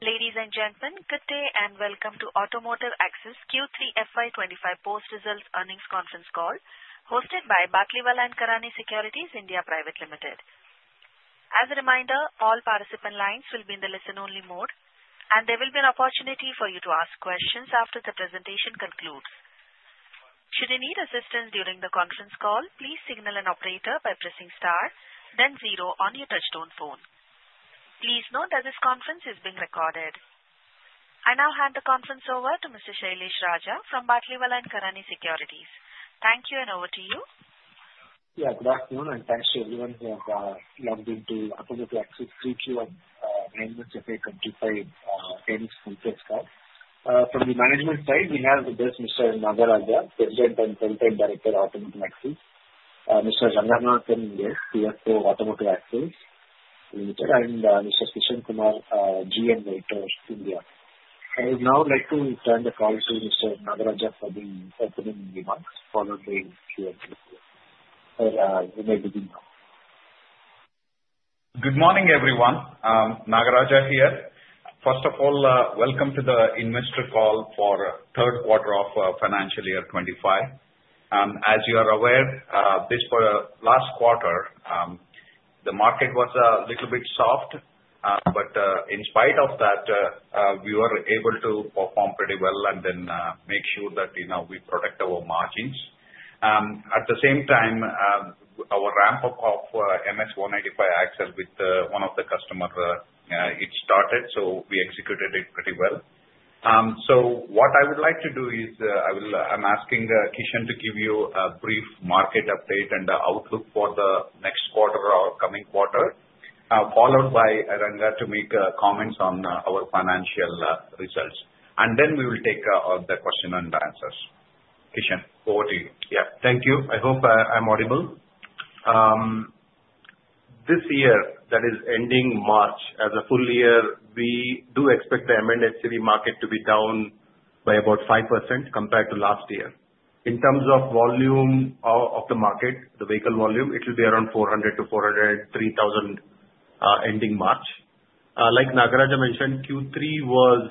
Ladies and gentlemen, good day and welcome to Automotive Axles Q3 FY 2025 post-results earnings conference call, hosted by Batlivala & Karani Securities India Pvt. Ltd. As a reminder, all participant lines will be in the listen-only mode, and there will be an opportunity for you to ask questions after the presentation concludes. Should you need assistance during the conference call, please signal an operator by pressing star, then zero on your touch-tone phone. Please note that this conference is being recorded. I now hand the conference over to Mr. Shailesh Raja from Batlivala & Karani Securities. Thank you, and over to you. Yeah, good afternoon, and thanks to everyone who have logged into Automotive Axles Q3 FY 2025 earnings conference call. From the management side, we have with us Mr. Nagaraja, President and Whole-time Director of Automotive Axles, Mr. Ranganathan S., CFO of Automotive Axles Ltd., and Mr. Kishan Kumar, GM, Meritor India. I would now like to turn the call to Mr. Nagaraja for the opening remarks following the Q&A we may begin now. Good morning, everyone. Nagaraja here. First of all, welcome to the investor call for third quarter of financial year 2025. As you are aware, this was the last quarter. The market was a little bit soft, but in spite of that, we were able to perform pretty well and then make sure that we protect our margins. At the same time, our ramp-up of MS195 Axles with one of the customers, it started, so we executed it pretty well. So what I would like to do is I'm asking Kishan to give you a brief market update and outlook for the next quarter or coming quarter, followed by Ranganathan to make comments on our financial results. And then we will take all the questions and answers. Kishan, over to you. Yeah, thank you. I hope I'm audible. This year, that is ending March, as a full year, we do expect the M&HCV market to be down by about 5% compared to last year. In terms of volume of the market, the vehicle volume, it will be around 400,000-403,000 ending March. Like Nagaraja mentioned, Q3 was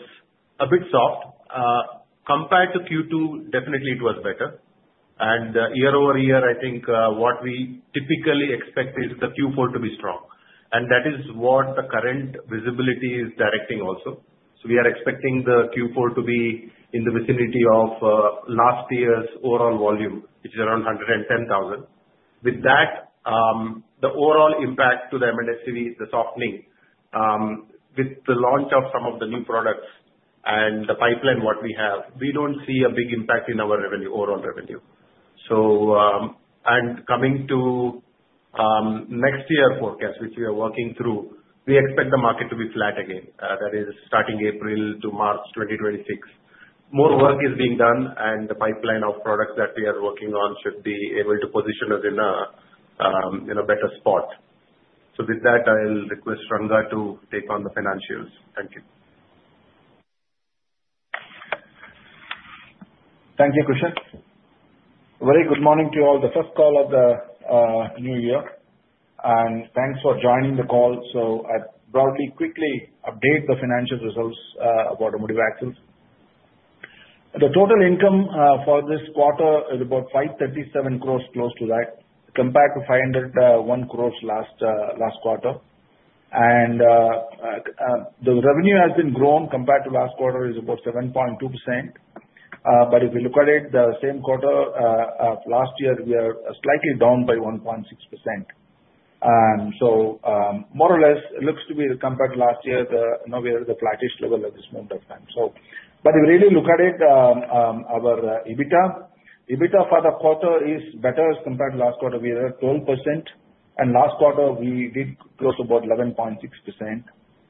a bit soft. Compared to Q2, definitely it was better. And year-over-year, I think what we typically expect is the Q4 to be strong. And that is what the current visibility is directing also. So we are expecting the Q4 to be in the vicinity of last year's overall volume, which is around 110,000. With that, the overall impact to the M&HCV, the softening, with the launch of some of the new products and the pipeline what we have, we don't see a big impact in our revenue, overall revenue. And coming to next year's forecast, which we are working through, we expect the market to be flat again, that is starting April to March 2026. More work is being done, and the pipeline of products that we are working on should be able to position us in a better spot. So with that, I'll request Ranganathan to take on the financials. Thank you. Thank you, Kishan. Very good morning to all. The first call of the new year, and thanks for joining the call. So I'll broadly quickly update the financial results of Automotive Axles. The total income for this quarter is about 537 crore, close to that, compared to 501 crore last quarter. And the revenue has been grown compared to last quarter, which is about 7.2%. But if you look at it, the same quarter of last year, we are slightly down by 1.6%. So more or less, it looks to be compared to last year, we are at the flattest level at this moment in time. But if you really look at it, our EBITDA, EBITDA for the quarter is better as compared to last quarter. We are at 12%. And last quarter, we did close about 11.6%.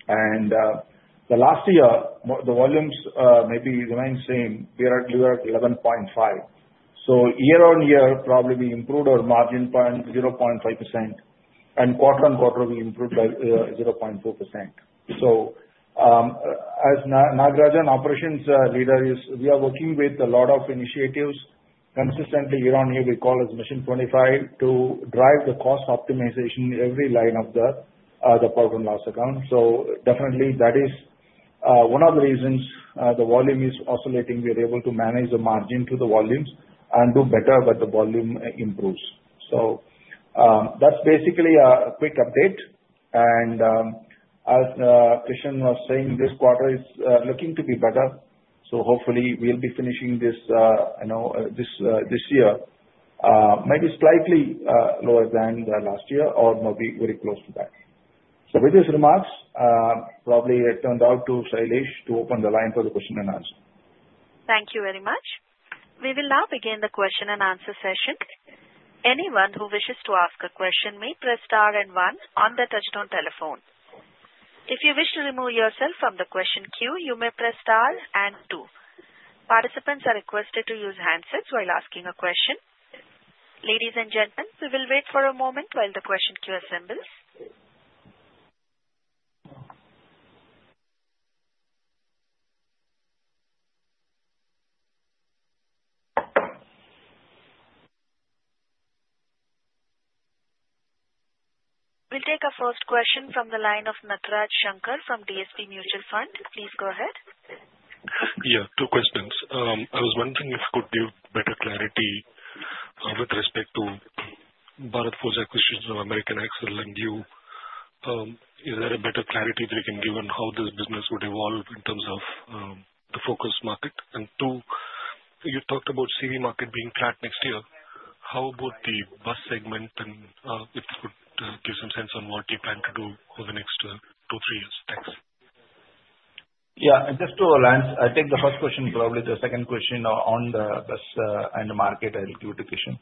And the last year, the volumes maybe remain the same. We are at 11.5, so year-on-year, probably we improved our margin by 0.5%, and quarter-on-quarter, we improved by 0.4%. So as Nagaraja, an operations leader, we are working with a lot of initiatives consistently year-on-year. We call it Mission 25 to drive the cost optimization in every line of the profit and loss account. So definitely, that is one of the reasons the volume is oscillating. We are able to manage the margin to the volumes and do better when the volume improves. So that's basically a quick update, and as Kishan was saying, this quarter is looking to be better. So hopefully, we'll be finishing this year, maybe slightly lower than last year or maybe very close to that. So with these remarks, probably it turns to Shailesh to open the line for the question and answer. Thank you very much. We will now begin the question and answer session. Anyone who wishes to ask a question may press star and one on the touch-tone telephone. If you wish to remove yourself from the question queue, you may press star and two. Participants are requested to use handsets while asking a question. Ladies and gentlemen, we will wait for a moment while the question queue assembles. We'll take a first question from the line of Natraj Sankar from DSP Mutual Fund. Please go ahead. Yeah, two questions. I was wondering if you could give better clarity with respect to Bharat Forge's acquisition of American Axle and you. Is there a better clarity that you can give on how this business would evolve in terms of the focus market? And two, you talked about CV market being flat next year. How about the bus segment, and if you could give some sense on what you plan to do over the next two, three years? Thanks. Yeah, just to announce, I'll take the first question, probably the second question on the bus and the market. I'll give it to Kishan.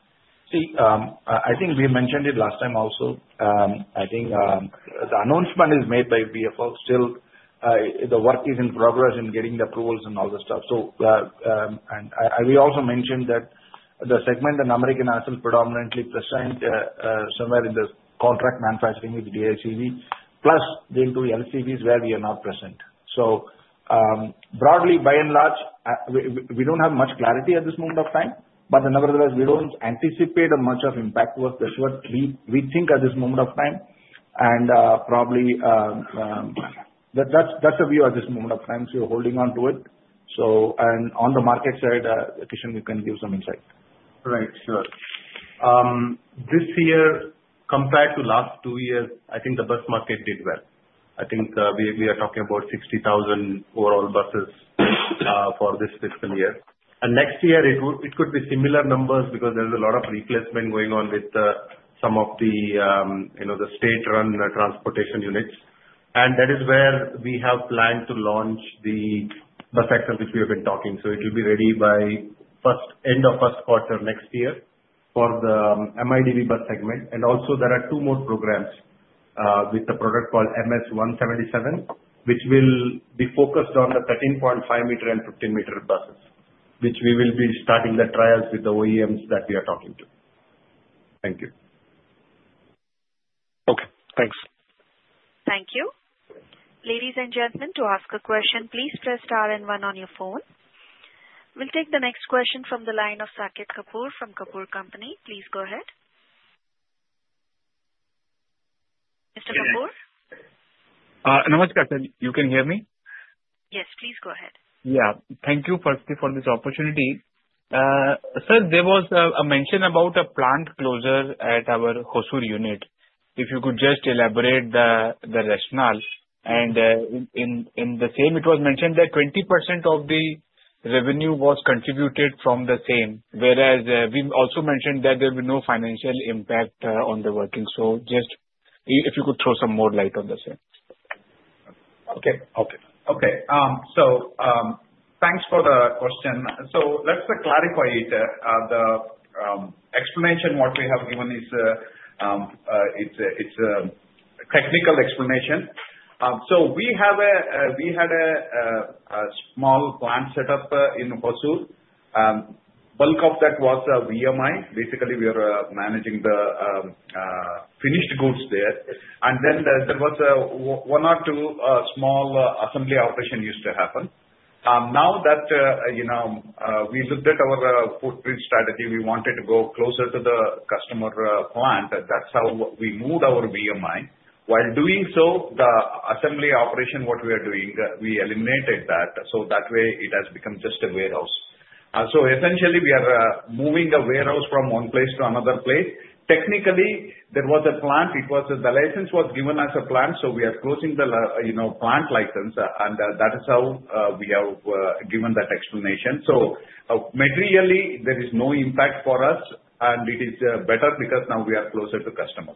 See, I think we mentioned it last time also. I think the announcement is made by Bharat Forge. Still, the work is in progress in getting the approvals and all the stuff. And we also mentioned that the segment in American Axle predominantly presents somewhere in the contract manufacturing with DICV, plus the two LCVs where we are not present. So broadly, by and large, we don't have much clarity at this moment of time. But in other words, we don't anticipate much of impact work, which we think at this moment of time. And probably that's the view at this moment of time. So we're holding on to it. And on the market side, Kishan, you can give some insight. Right, sure. This year, compared to last two years, I think the bus market did well. I think we are talking about 60,000 overall buses for this fiscal year. And next year, it could be similar numbers because there's a lot of replacement going on with some of the state-run transportation units. And that is where we have planned to launch the bus axles which we have been talking. So it will be ready by end of first quarter next year for the Midi bus segment. And also, there are two more programs with the product called MS177, which will be focused on the 13.5 m and 15 m buses, which we will be starting the trials with the OEMs that we are talking to. Thank you. Okay, thanks. Thank you. Ladies and gentlemen, to ask a question, please press star and one on your phone. We'll take the next question from the line of Saket Kapoor from Kapoor & Co. Please go ahead. Mr. Kapoor? Yes. Namaskar, sir. You can hear me? Yes, please go ahead. Yeah. Thank you, firstly, for this opportunity. Sir, there was a mention about a plant closure at our Hosur unit. If you could just elaborate the rationale? And in the same, it was mentioned that 20% of the revenue was contributed from the same, whereas we also mentioned that there will be no financial impact on the working. So just if you could throw some more light on the same? Okay. So thanks for the question. So let's clarify it. The explanation what we have given is it's a technical explanation. So we had a small plant setup in Hosur. Bulk of that was VMI. Basically, we were managing the finished goods there. And then there was one or two small assembly operations that used to happen. Now that we looked at our footprint strategy, we wanted to go closer to the customer plant. That's how we moved our VMI. While doing so, the assembly operation what we are doing, we eliminated that. So that way, it has become just a warehouse. So essentially, we are moving a warehouse from one place to another place. Technically, there was a plant. The license was given as a plant, so we are closing the plant license. And that is how we have given that explanation. So materially, there is no impact for us, and it is better because now we are closer to the customer.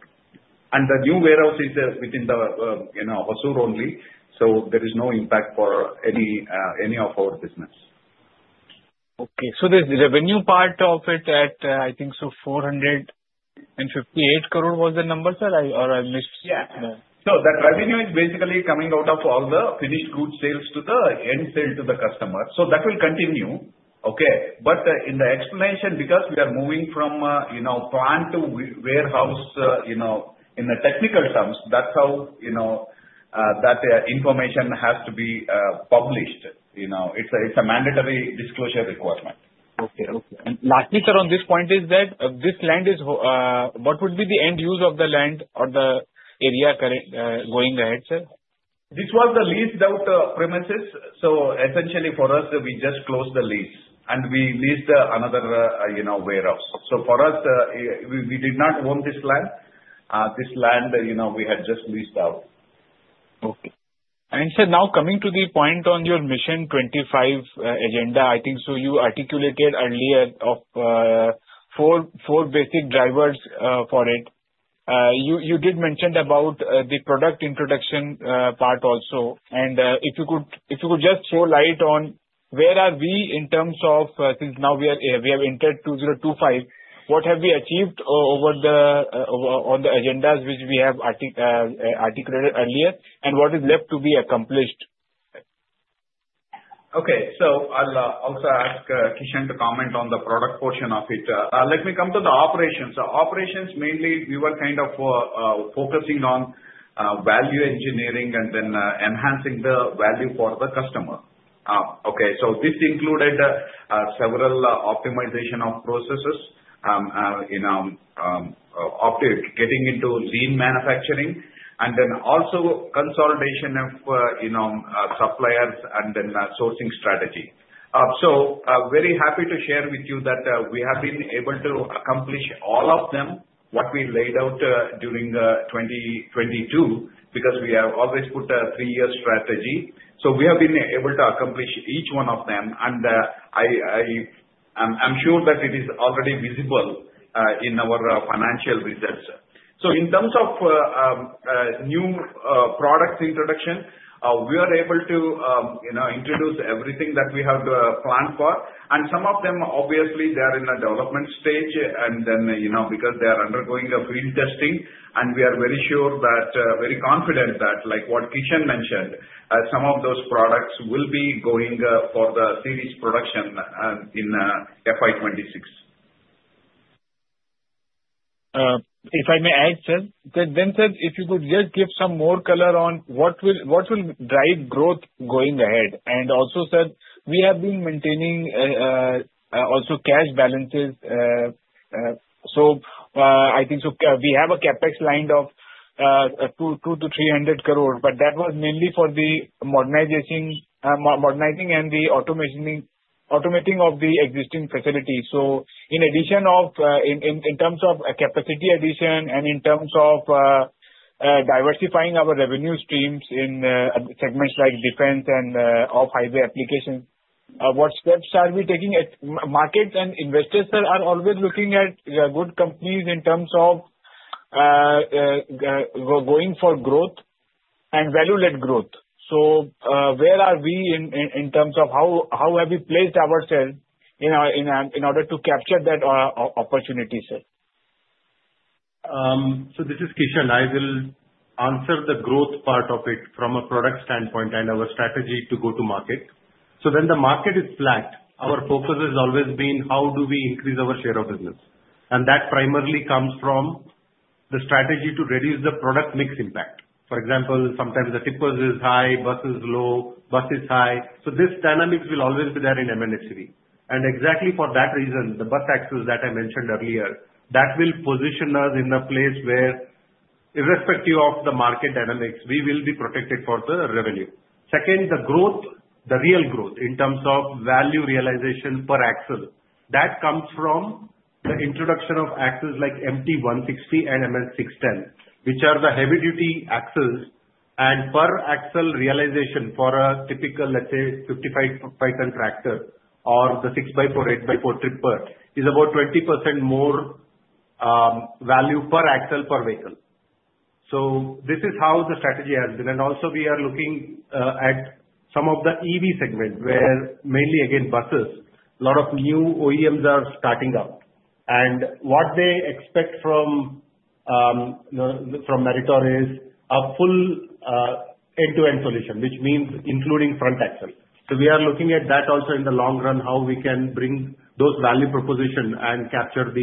And the new warehouse is within Hosur only, so there is no impact for any of our business. Okay. So the revenue part of it at, I think, so 458 crore was the number, sir, or I missed? Yeah. So that revenue is basically coming out of all the finished goods sales to the end sale to the customer. So that will continue. Okay. But in the explanation, because we are moving from plant to warehouse in the technical terms, that's how that information has to be published. It's a mandatory disclosure requirement. Okay, okay. And lastly, sir, on this point, is that this land is what would be the end use of the land or the area going ahead, sir? This was the leased-out premises. So essentially, for us, we just closed the lease, and we leased another warehouse. So for us, we did not own this land. This land, we had just leased out. Okay. And sir, now coming to the point on your Mission 25 agenda, I think so you articulated earlier of four basic drivers for it. You did mention about the product introduction part also. And if you could just throw light on where are we in terms of since now we have entered 2025, what have we achieved on the agendas which we have articulated earlier, and what is left to be accomplished? Okay. So I'll also ask Kishan to comment on the product portion of it. Let me come to the operations. Operations, mainly, we were kind of focusing on value engineering and then enhancing the value for the customer. Okay. So this included several optimization of processes, getting into lean manufacturing, and then also consolidation of suppliers and then sourcing strategy. So very happy to share with you that we have been able to accomplish all of them what we laid out during 2022 because we have always put a three-year strategy. So we have been able to accomplish each one of them. And I'm sure that it is already visible in our financial results. So in terms of new product introduction, we are able to introduce everything that we have planned for. Some of them, obviously, they are in a development stage, and then because they are undergoing field testing, and we are very sure that, very confident that, like what Kishan mentioned, some of those products will be going for the series production in FY 2026. If I may add, sir, then sir, if you could just give some more color on what will drive growth going ahead. And also, sir, we have been maintaining also cash balances. So I think we have a CapEx lined up of 200 crore-300 crore, but that was mainly for the modernizing and the automating of the existing facilities. So in addition of in terms of capacity addition and in terms of diversifying our revenue streams in segments like defense and off-highway applications, what steps are we taking? Markets and investors, sir, are always looking at good companies in terms of going for growth and value-led growth. So where are we in terms of how have we placed ourselves in order to capture that opportunity, sir? This is Kishan. I will answer the growth part of it from a product standpoint and our strategy to go to market. When the market is flat, our focus has always been how do we increase our share of business. And that primarily comes from the strategy to reduce the product mix impact. For example, sometimes the tippers is high, buses low, buses high. So this dynamic will always be there in MNHC. And exactly for that reason, the bus axles that I mentioned earlier, that will position us in a place where, irrespective of the market dynamics, we will be protected for the revenue. Second, the growth, the real growth in terms of value realization per axle, that comes from the introduction of axles like MT160 and MS610, which are the heavy-duty axles. Per axle realization for a typical, let's say, 55 tons tractor or the 6x4, 8x4, tipper is about 20% more value per axle per vehicle. So this is how the strategy has been. And also, we are looking at some of the EV segment where mainly, again, buses, a lot of new OEMs are starting up. And what they expect from Meritor is a full end-to-end solution, which means including front axle. So we are looking at that also in the long run, how we can bring those value propositions and capture to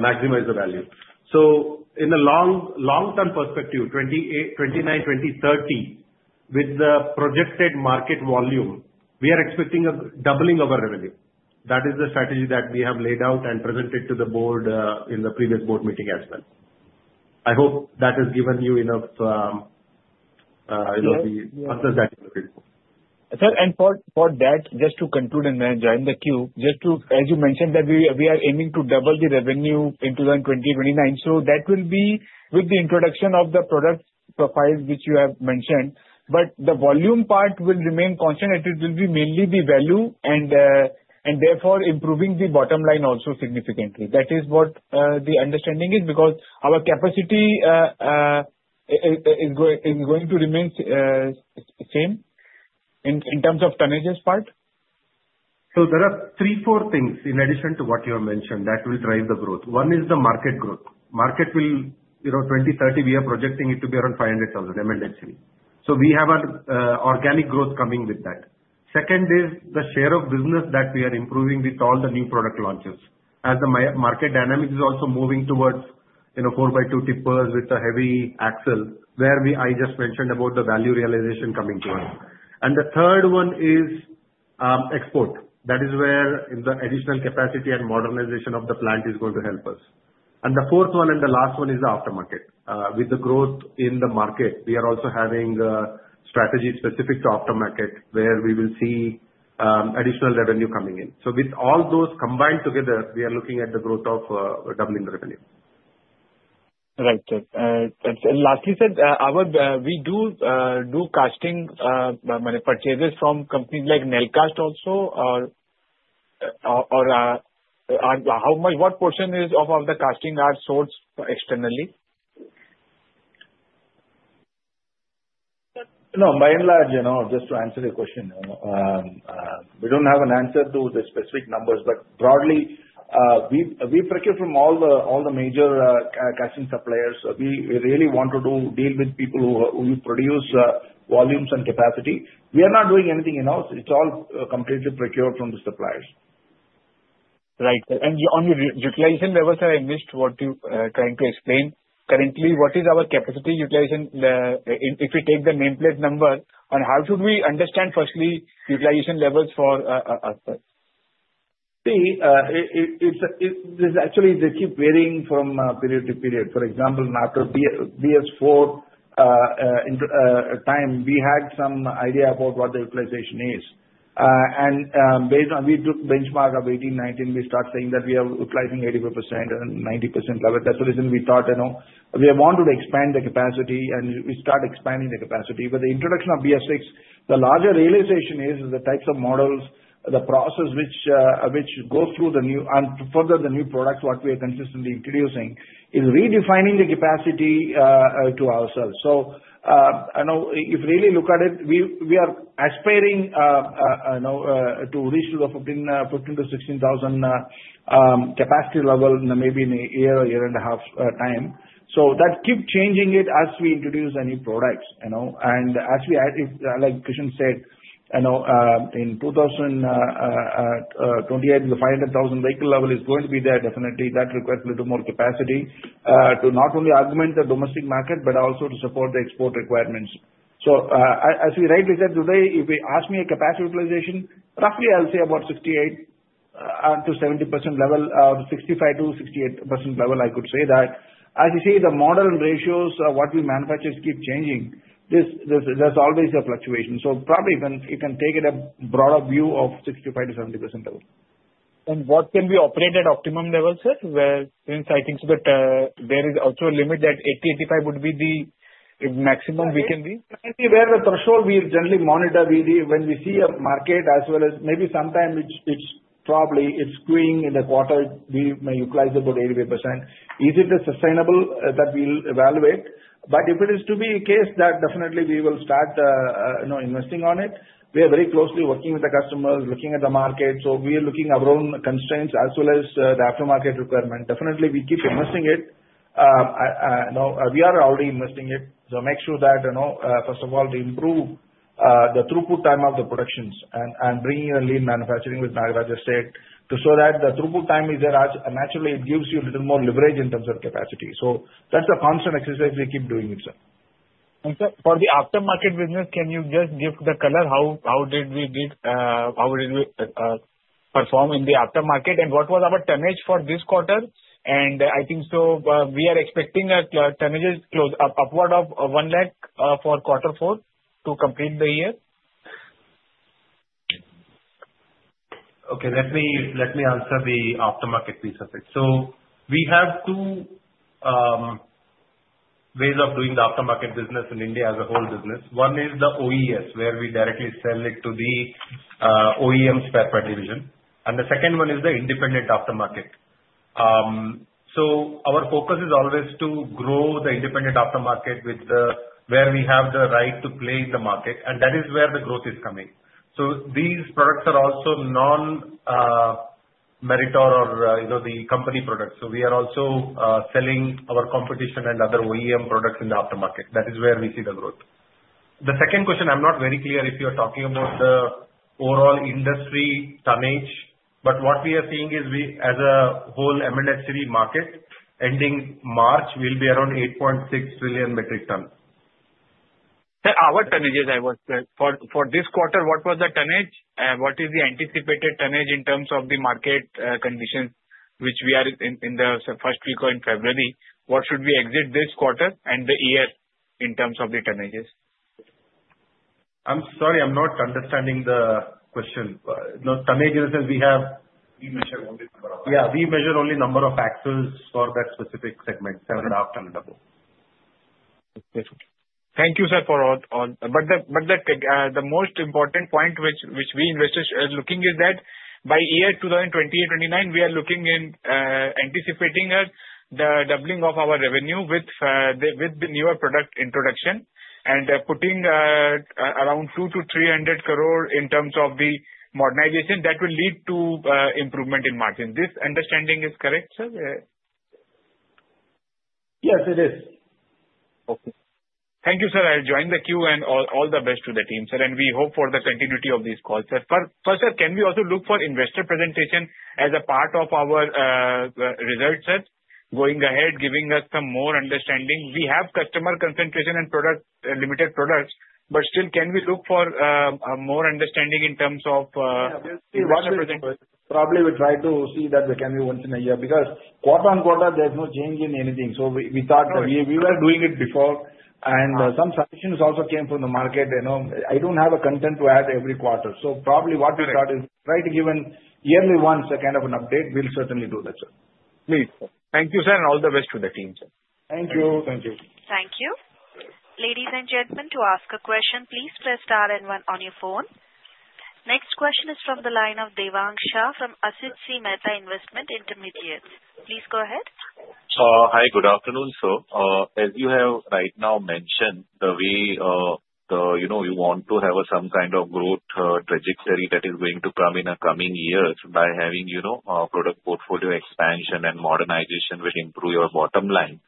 maximize the value. So in the long-term perspective, 2029, 2030, with the projected market volume, we are expecting a doubling of our revenue. That is the strategy that we have laid out and presented to the board in the previous board meeting as well. I hope that has given you enough answers that you need. Sir, and for that, just to conclude and join the queue, just to, as you mentioned, that we are aiming to double the revenue into 2029, so that will be with the introduction of the product profiles which you have mentioned, but the volume part will remain constant. It will be mainly the value and therefore improving the bottom line also significantly. That is what the understanding is because our capacity is going to remain the same in terms of tonnage part? So there are three, four things in addition to what you have mentioned that will drive the growth. One is the market growth. Market will 2030, we are projecting it to be around 500,000 M&HCV. So we have an organic growth coming with that. Second is the share of business that we are improving with all the new product launches. As the market dynamic is also moving towards 4x2 tippers with the heavy axle, where I just mentioned about the value realization coming to us. And the third one is export. That is where the additional capacity and modernization of the plant is going to help us. And the fourth one and the last one is the aftermarket. With the growth in the market, we are also having strategy specific to aftermarket where we will see additional revenue coming in. With all those combined together, we are looking at the growth of doubling the revenue. Right, sir, and lastly, sir, we do casting, I mean, purchases from companies like Nelcast also? Or what portion of the casting are sold externally? No, by and large, just to answer your question, we don't have an answer to the specific numbers. But broadly, we procure from all the major casting suppliers. We really want to deal with people who produce volumes and capacity. We are not doing anything else. It's all completely procured from the suppliers. Right. And on the utilization level, sir, I missed what you are trying to explain. Currently, what is our capacity utilization if we take the nameplate number? And how should we understand, firstly, utilization levels for us? See, it's actually they keep varying from period to period. For example, after BS4 time, we had some idea about what the utilization is. And based on we took benchmark of 18, 19, we start saying that we are utilizing 85% and 90% level. That's the reason we thought we wanted to expand the capacity, and we start expanding the capacity. With the introduction of BS6, the larger realization is the types of models, the process which goes through the new and further the new products what we are consistently introducing is redefining the capacity to ourselves. So if we really look at it, we are aspiring to reach to the 15,000-16,000 capacity level maybe in a year-on-year and a half time. So that keep changing it as we introduce any products. As Kishan said, in 2028, the 500,000 vehicle level is going to be there. Definitely, that requires a little more capacity to not only augment the domestic market, but also to support the export requirements. As we rightly said today, if you ask me capacity utilization, roughly I'll say about 68%-70% level, 65%-68% level, I could say that. As you see, the model ratios, what we manufacture keep changing. There's always a fluctuation. Probably you can take a broader view of 65%-70% level. What can be operated optimum level, sir? Since I think there is also a limit that 80%-85% would be the maximum we can reach. Maybe where the threshold we generally monitor, when we see a market as well as maybe sometime it's probably it's going in the quarter, we may utilize about 80%. Is it sustainable? That we'll evaluate. But if it is to be the case, that definitely we will start investing on it. We are very closely working with the customers, looking at the market. So we are looking at our own constraints as well as the aftermarket requirement. Definitely, we keep investing it. We are already investing it. So make sure that, first of all, to improve the throughput time of the productions and bringing in lean manufacturing with Nagaraja state so that the throughput time is there. Naturally, it gives you a little more leverage in terms of capacity. So that's a constant exercise we keep doing, sir. Sir, for the aftermarket business, can you just give the color? How did we perform in the aftermarket? What was our tonnage for this quarter? I think so we are expecting tonnages upward of 1 lakh for quarter four to complete the year. Okay. Let me answer the aftermarket piece of it. So we have two ways of doing the aftermarket business in India as a whole business. One is the OES, where we directly sell it to the OEMs per division. And the second one is the independent aftermarket. So our focus is always to grow the independent aftermarket where we have the right to play in the market. And that is where the growth is coming. So these products are also non-Meritor or the company products. So we are also selling our competition and other OEM products in the aftermarket. That is where we see the growth. The second question, I'm not very clear if you are talking about the overall industry tonnage. But what we are seeing is as a whole M&HCV market, ending March, we'll be around 8.6 trillion metric tons. Sir, our tonnages, what was it for this quarter? What was the tonnage? What is the anticipated tonnage in terms of the market conditions which we are in the first week of February? What should we exit this quarter and the year in terms of the tonnages? I'm sorry, I'm not understanding the question. Tonnage is as we have. We measure only number of axles. Yeah, we measure only number of axles for that specific segment, seven and a half tons level. Thank you, sir, for all. But the most important point which we investors are looking is that by year 2028-2029, we are looking in anticipating the doubling of our revenue with the newer product introduction and putting around 200 crore-300 crore in terms of the modernization that will lead to improvement in margins. This understanding is correct, sir? Yes, it is. Okay. Thank you, sir. I'll join the queue and all the best to the team, sir, and we hope for the continuity of these calls. First, sir, can we also look for investor presentation as a part of our results, sir, going ahead, giving us some more understanding? We have customer concentration and limited products, but still can we look for more understanding in terms of investor presentation? Probably, we try to see that we can do once in a year because quarter-on-quarter, there's no change in anything, so we thought we were doing it before and some suggestions also came from the market. I don't have a content to add every quarter, so probably what we thought is try to give a yearly once kind of an update. We'll certainly do that, sir. Great. Thank you, sir, and all the best to the team, sir. Thank you. Thank you. Thank you. Ladies and gentlemen, to ask a question, please press star and one on your phone. Next question is from the line of Devang Shah from Asit C Mehta Investment Intermediates. Please go ahead. Hi, good afternoon, sir. As you have right now mentioned, the way you want to have some kind of growth trajectory that is going to come in the coming years by having product portfolio expansion and modernization which improve your bottom line,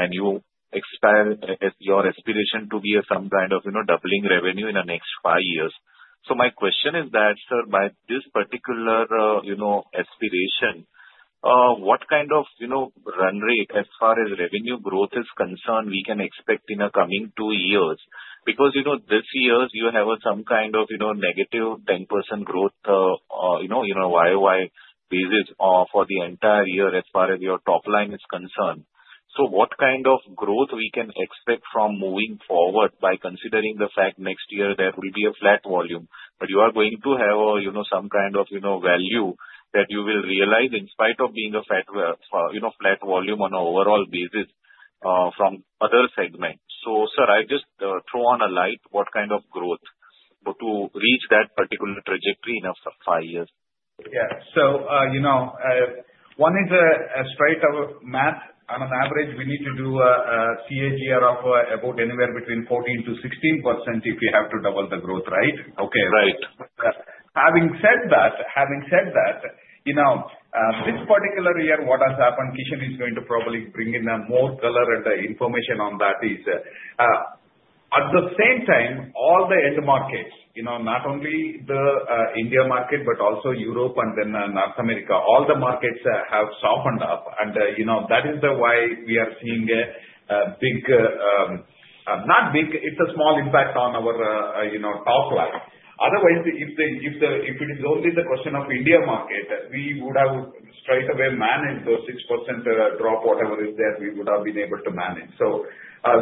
and your aspiration to be some kind of doubling revenue in the next five years, so my question is that, sir, by this particular aspiration, what kind of run rate as far as revenue growth is concerned, we can expect in the coming two years? Because this year, you have some kind of -10% growth in a YoY basis for the entire year as far as your top line is concerned. So what kind of growth we can expect from moving forward by considering the fact next year there will be a flat volume, but you are going to have some kind of value that you will realize in spite of being a flat volume on an overall basis from other segments. So, sir, I just shed some light on what kind of growth to reach that particular trajectory in five years? Yeah. So one is a straight-up math. On average, we need to do a CAGR of about anywhere between 14% to 16% if you have to double the growth, right? Okay. Right. Having said that, having said that, this particular year, what has happened. Kishan is going to probably bring in more color, and the information on that is, at the same time, all the end markets, not only the India market, but also Europe and then North America, all the markets have softened up, and that is why we are seeing a big, not big, it's a small impact on our top line. Otherwise, if it is only the question of India market, we would have straightaway managed those 6% drop, whatever is there, we would have been able to manage,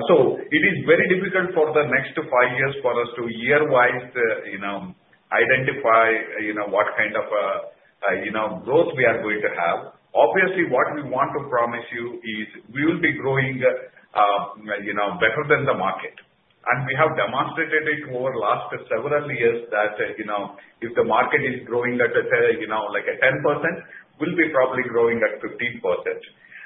so it is very difficult for the next five years for us to year-wise identify what kind of growth we are going to have. Obviously, what we want to promise you is we will be growing better than the market. And we have demonstrated it over the last several years that if the market is growing at like a 10%, we'll be probably growing at 15%.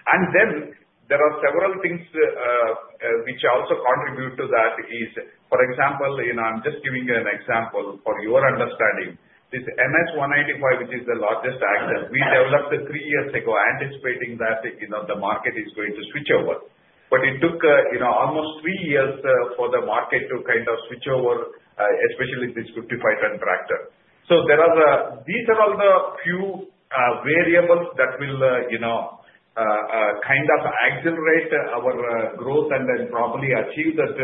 And then there are several things which also contribute to that is, for example, I'm just giving you an example for your understanding. This MS185, which is the largest axle, we developed three years ago anticipating that the market is going to switch over. But it took almost three years for the market to kind of switch over, especially this 55 tons tractor. So these are all the few variables that will kind of accelerate our growth and then probably achieve that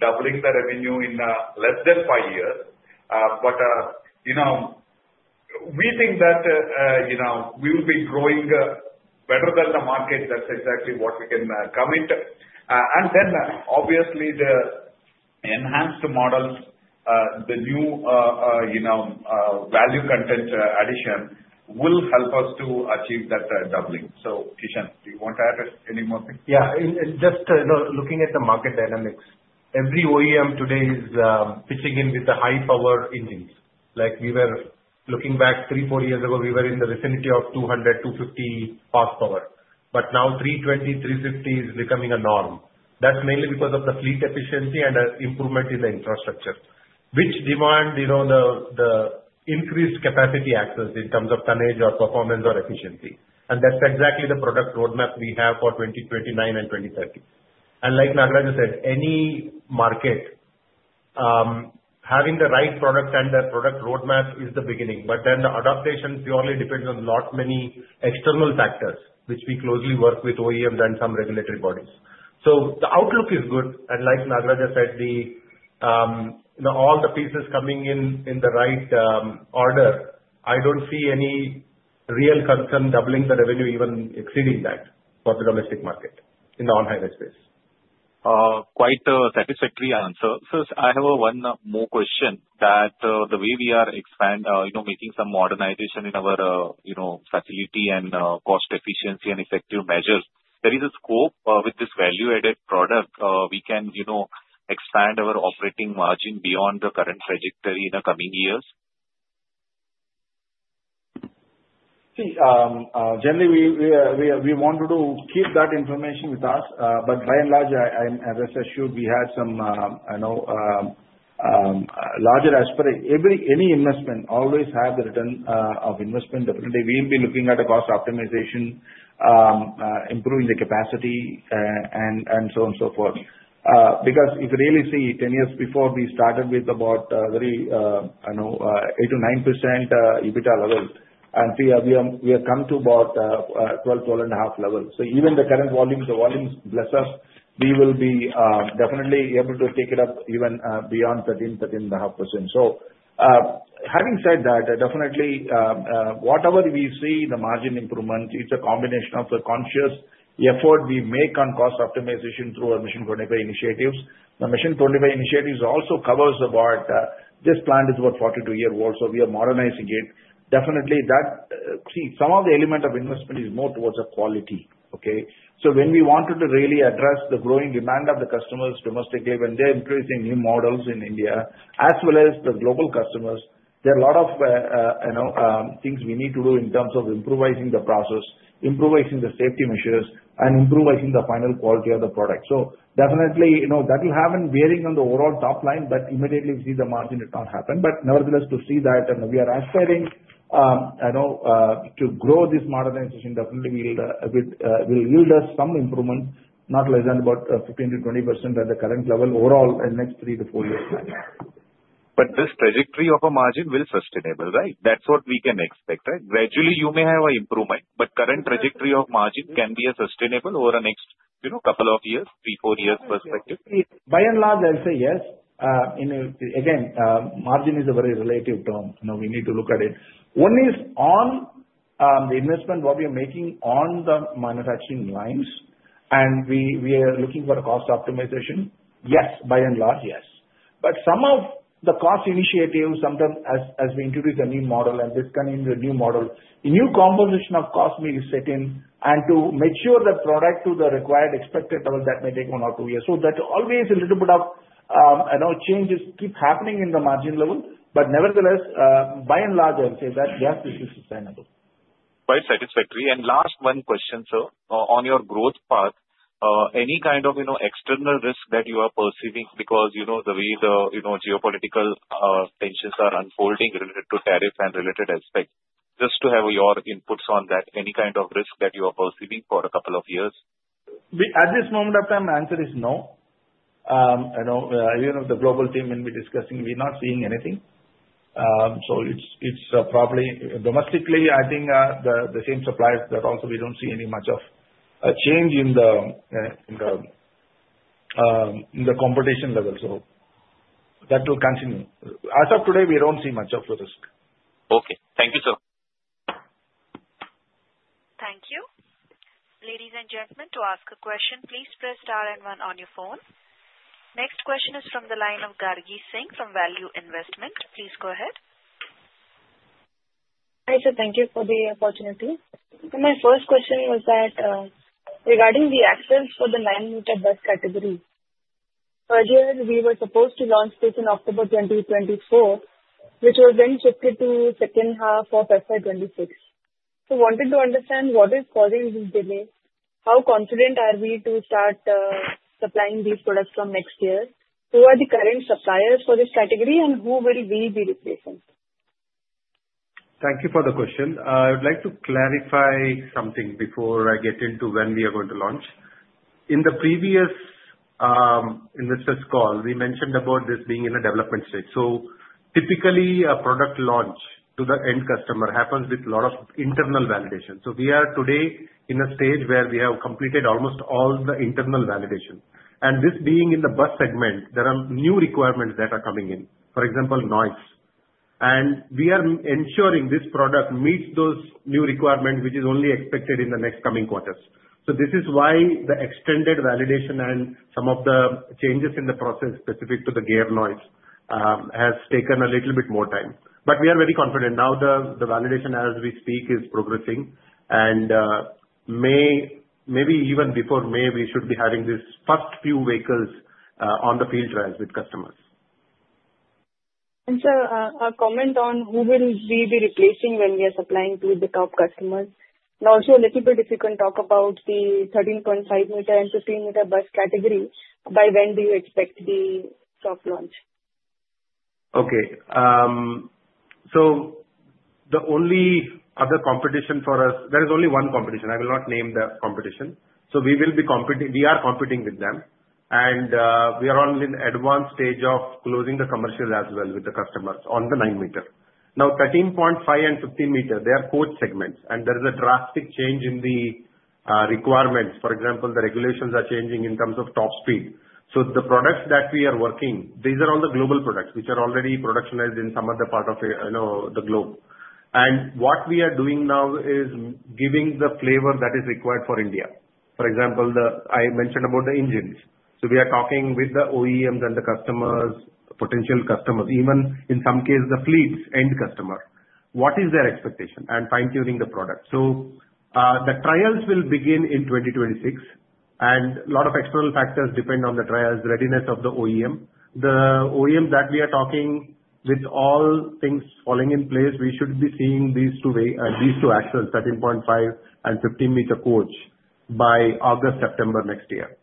doubling the revenue in less than five years. But we think that we will be growing better than the market. That's exactly what we can commit. And then, obviously, the enhanced models, the new value content addition will help us to achieve that doubling. So, Kishan, do you want to add any more things? Yeah. Just looking at the market dynamics, every OEM today is pitching in with the high-power engines. We were looking back three, four years ago, we were in the vicinity of 200 horsepower, 250 horsepower. But now 320 horsepower, 350 horsepower is becoming a norm. That's mainly because of the fleet efficiency and improvement in the infrastructure, which demand the increased capacity access in terms of tonnage or performance or efficiency. And that's exactly the product roadmap we have for 2029 and 2030. And like Nagaraja said, any market, having the right product and the product roadmap is the beginning. But then the adaptation purely depends on a lot many external factors which we closely work with OEMs and some regulatory bodies. So the outlook is good. And like Nagaraja said, all the pieces coming in the right order, I don't see any real concern doubling the revenue, even exceeding that for the domestic market in the on-highway space. Quite a satisfactory answer. Sir, I have one more question. With the way we are making some modernization in our facility and cost efficiency and effective measures, there is a scope with this value-added product we can expand our operating margin beyond the current trajectory in the coming years? See, generally, we want to keep that information with us. But by and large, as I assume, we had some larger aspiration. Any investment always has the return of investment. Definitely, we'll be looking at a cost optimization, improving the capacity, and so on and so forth. Because if you really see, 10 years before, we started with about 8%-9% EBITDA level. And we have come to about 12%-12.5% level. So even the current volumes, the volumes bless us, we will be definitely able to take it up even beyond 13%-13.5%. So having said that, definitely, whatever we see, the margin improvement, it's a combination of the conscious effort we make on cost optimization through our Mission 25 initiatives. The Mission 25 initiatives also covers about this plant is about 42 years old, so we are modernizing it. Definitely, that is, some of the elements of investment are more towards the quality. Okay? So when we wanted to really address the growing demand of the customers domestically, when they're introducing new models in India, as well as the global customers, there are a lot of things we need to do in terms of improving the process, improving the safety measures, and improving the final quality of the product. So definitely, that will have a bearing on the overall top line, but immediately we see the margin, it won't happen. But nevertheless, we see that we are aspiring to grow this modernization; definitely it will yield us some improvement, not less than about 15%-20% at the current level overall in the next three to four years. But this trajectory of a margin will be sustainable, right? That's what we can expect, right? Gradually, you may have an improvement, but current trajectory of margin can be sustainable over the next couple of years, three- to four-year perspective. By and large, I'll say yes. Again, margin is a very relative term. We need to look at it. One is on the investment what we are making on the manufacturing lines, and we are looking for a cost optimization. Yes, by and large, yes. But some of the cost initiatives, sometimes as we introduce a new model and this comes in the new model, a new composition of cost may be set in and to make sure the product to the required expected level, that may take one or two years. So that always a little bit of changes keep happening in the margin level. But nevertheless, by and large, I would say that, yes, this is sustainable. Quite satisfactory. And last one question, sir. On your growth path, any kind of external risk that you are perceiving because the way the geopolitical tensions are unfolding related to tariffs and related aspects? Just to have your inputs on that, any kind of risk that you are perceiving for a couple of years? At this moment of time, the answer is no. Even if the global team will be discussing, we're not seeing anything. So it's probably domestically, I think the same suppliers, but also we don't see any much of a change in the competition level. So that will continue. As of today, we don't see much of a risk. Okay. Thank you, sir. Thank you. Ladies and gentlemen, to ask a question, please press star and one on your phone. Next question is from the line of Gargi Singh from ValueQuest Investment. Please go ahead. Hi, sir. Thank you for the opportunity. My first question was that regarding the axles for the nine-meter bus category. Earlier, we were supposed to launch this in October 2024, which was then shifted to second half of FY 2026. So I wanted to understand what is causing this delay. How confident are we to start supplying these products from next year? Who are the current suppliers for this category, and who will we be replacing? Thank you for the question. I would like to clarify something before I get into when we are going to launch. In the previous investors' call, we mentioned about this being in a development stage. So typically, a product launch to the end customer happens with a lot of internal validation. So we are today in a stage where we have completed almost all the internal validation. And this being in the bus segment, there are new requirements that are coming in, for example, noise. And we are ensuring this product meets those new requirements which is only expected in the next coming quarters. So this is why the extended validation and some of the changes in the process specific to the gear noise has taken a little bit more time. But we are very confident. Now, the validation as we speak is progressing. Maybe even before May, we should be having these first few vehicles on the field trials with customers. And, sir, a comment on who will we be replacing when we are supplying to the top customers? And also a little bit, if you can talk about the 13.5 m and 15 m bus category, by when do you expect the top launch? Okay. So the only other competition for us, there is only one competition. I will not name the competition. So we are competing with them. And we are only in the advanced stage of closing the commercial as well with the customers on the nine-meter. Now, 13.5 m and 15 m, they are coach segments. And there is a drastic change in the requirements. For example, the regulations are changing in terms of top speed. So the products that we are working, these are all the global products which are already productionized in some other part of the globe. And what we are doing now is giving the flavor that is required for India. For example, I mentioned about the engines. So we are talking with the OEMs and the customers, potential customers, even in some cases, the fleet's end customer. What is their expectation and fine-tuning the product? So the trials will begin in 2026. A lot of external factors depend on the trials, the readiness of the OEM. The OEM that we are talking, with all things falling in place, we should be seeing these two axles, 13.5 m and 15 m coach by August, September next year.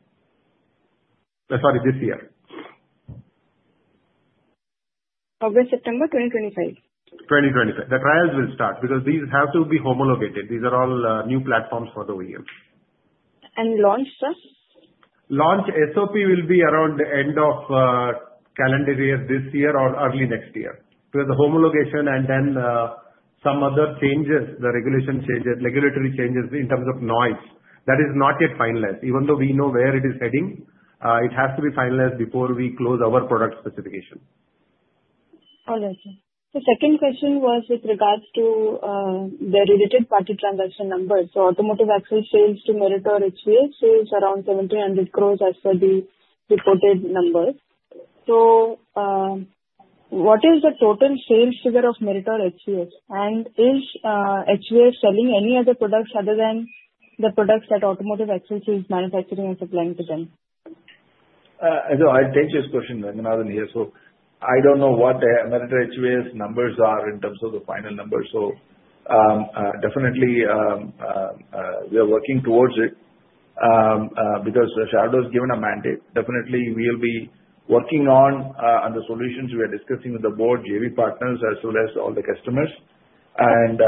Sorry, this year. August, September 2025? 2025. The trials will start because these have to be homologated. These are all new platforms for the OEM. Launch, sir? Launch SOP will be around the end of calendar year this year or early next year because the homologation and then some other changes, the regulatory changes in terms of noise, that is not yet finalized. Even though we know where it is heading, it has to be finalized before we close our product specification. All right. So second question was with regards to the related party transaction numbers. So Automotive Axles sales to Meritor HVS sales around 1,700 crore as per the reported numbers. So what is the total sales figure of Meritor HVS? And is HVS selling any other products other than the products that Automotive Axles is manufacturing and supplying to them? I think this question, Ranganathan here. So I don't know what Meritor HVS's numbers are in terms of the final numbers. So definitely, we are working towards it because Shareholders has given a mandate. Definitely, we will be working on the solutions we are discussing with the board, JV partners, as well as all the customers. And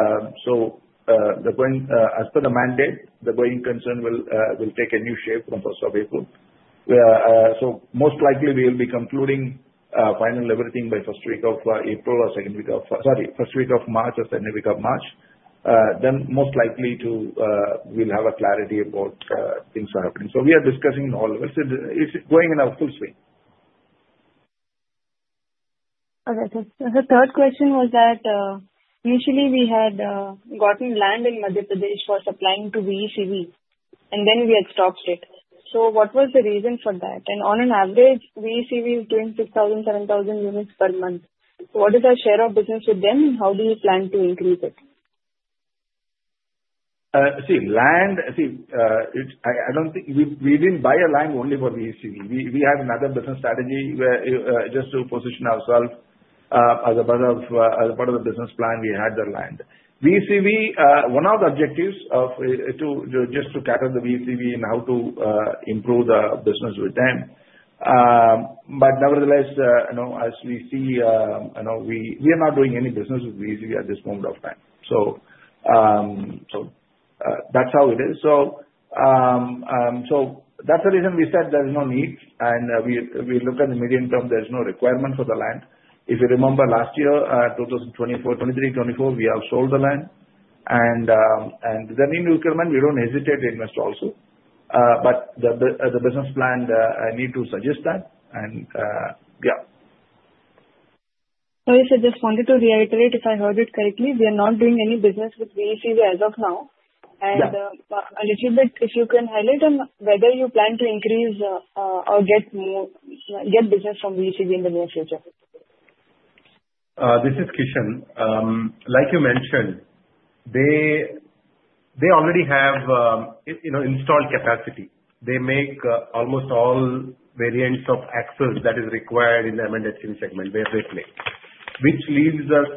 so as per the mandate, the going concern will take a new shape from 1st of April. So most likely, we will be concluding final everything by first week of March or second week of March. Then most likely, we'll have a clarity about things are happening. So we are discussing all of it. It's going in a full swing. All right. The third question was that usually, we had gotten land in Madhya Pradesh for supplying to VECV, and then we had stopped it. So what was the reason for that? And on an average, VECV is doing 6,000-7,000 units per month. What is our share of business with them, and how do you plan to increase it? I don't think we didn't buy a land only for VECV. We have another business strategy just to position ourselves as a part of the business plan. We had the land. VECV, one of the objectives of just to gather the VECV and how to improve the business with them. But nevertheless, as we see, we are not doing any business with VECV at this moment of time. So that's how it is. So that's the reason we said there is no need. And we look at the medium term, there is no requirement for the land. If you remember last year, 2023-2024, we have sold the land. And the new requirement, we don't hesitate to invest also. But the business plan, I need to suggest that. And yeah. Sorry, sir. Just wanted to reiterate if I heard it correctly. We are not doing any business with VECV as of now. And a little bit, if you can highlight whether you plan to increase or get business from VECV in the near future? This is Kishan. Like you mentioned, they already have installed capacity. They make almost all variants of axles that are required in the M&HCV segment, where they play, which leaves us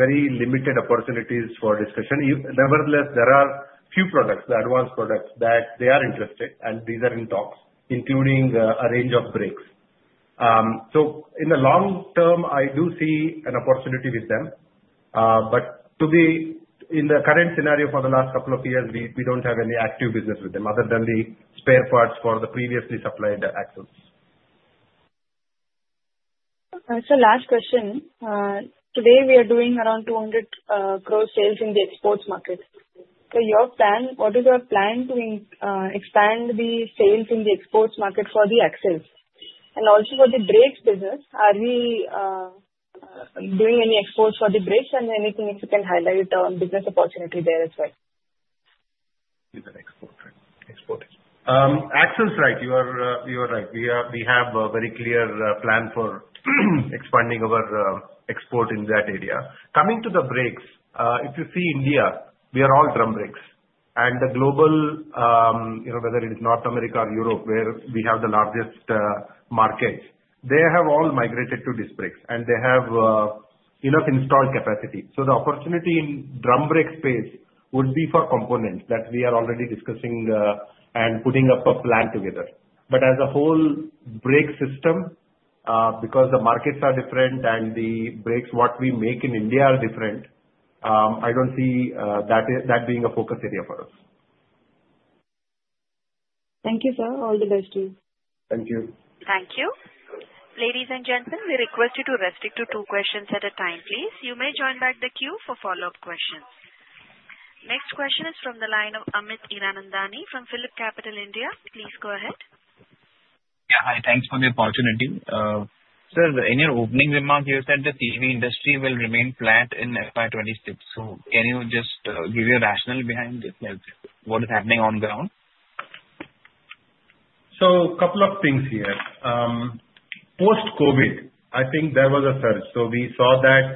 very limited opportunities for discussion. Nevertheless, there are few products, the advanced products that they are interested in, and these are in talks, including a range of brakes. So in the long term, I do see an opportunity with them. But in the current scenario for the last couple of years, we don't have any active business with them other than the spare parts for the previously supplied axles. Last question. Today, we are doing around 200 crore sales in the exports market. Your plan, what is your plan to expand the sales in the exports market for the axles? And also for the brakes business, are we doing any exports for the brakes? And anything if you can highlight a business opportunity there as well. Exporting axles, right. You are right. We have a very clear plan for expanding our export in that area. Coming to the brakes, if you see India, we are all drum brakes, and the global, whether it is North America or Europe, where we have the largest markets, they have all migrated to these brakes, and they have enough installed capacity, so the opportunity in drum brake space would be for components that we are already discussing and putting up a plan together, but as a whole brake system, because the markets are different and the brakes what we make in India are different, I don't see that being a focus area for us. Thank you, sir. All the best to you. Thank you. Thank you. Ladies and gentlemen, we request you to restrict to two questions at a time, please. You may join back the queue for follow-up questions. Next question is from the line of Amit Hiranandani from PhillipCapital India. Please go ahead. Yeah. Hi. Thanks for the opportunity. Sir, in your opening remarks, you said the CV industry will remain flat in FY 2026. So can you just give your rationale behind this? What is happening on the ground? A couple of things here. Post-COVID, I think there was a surge. So we saw that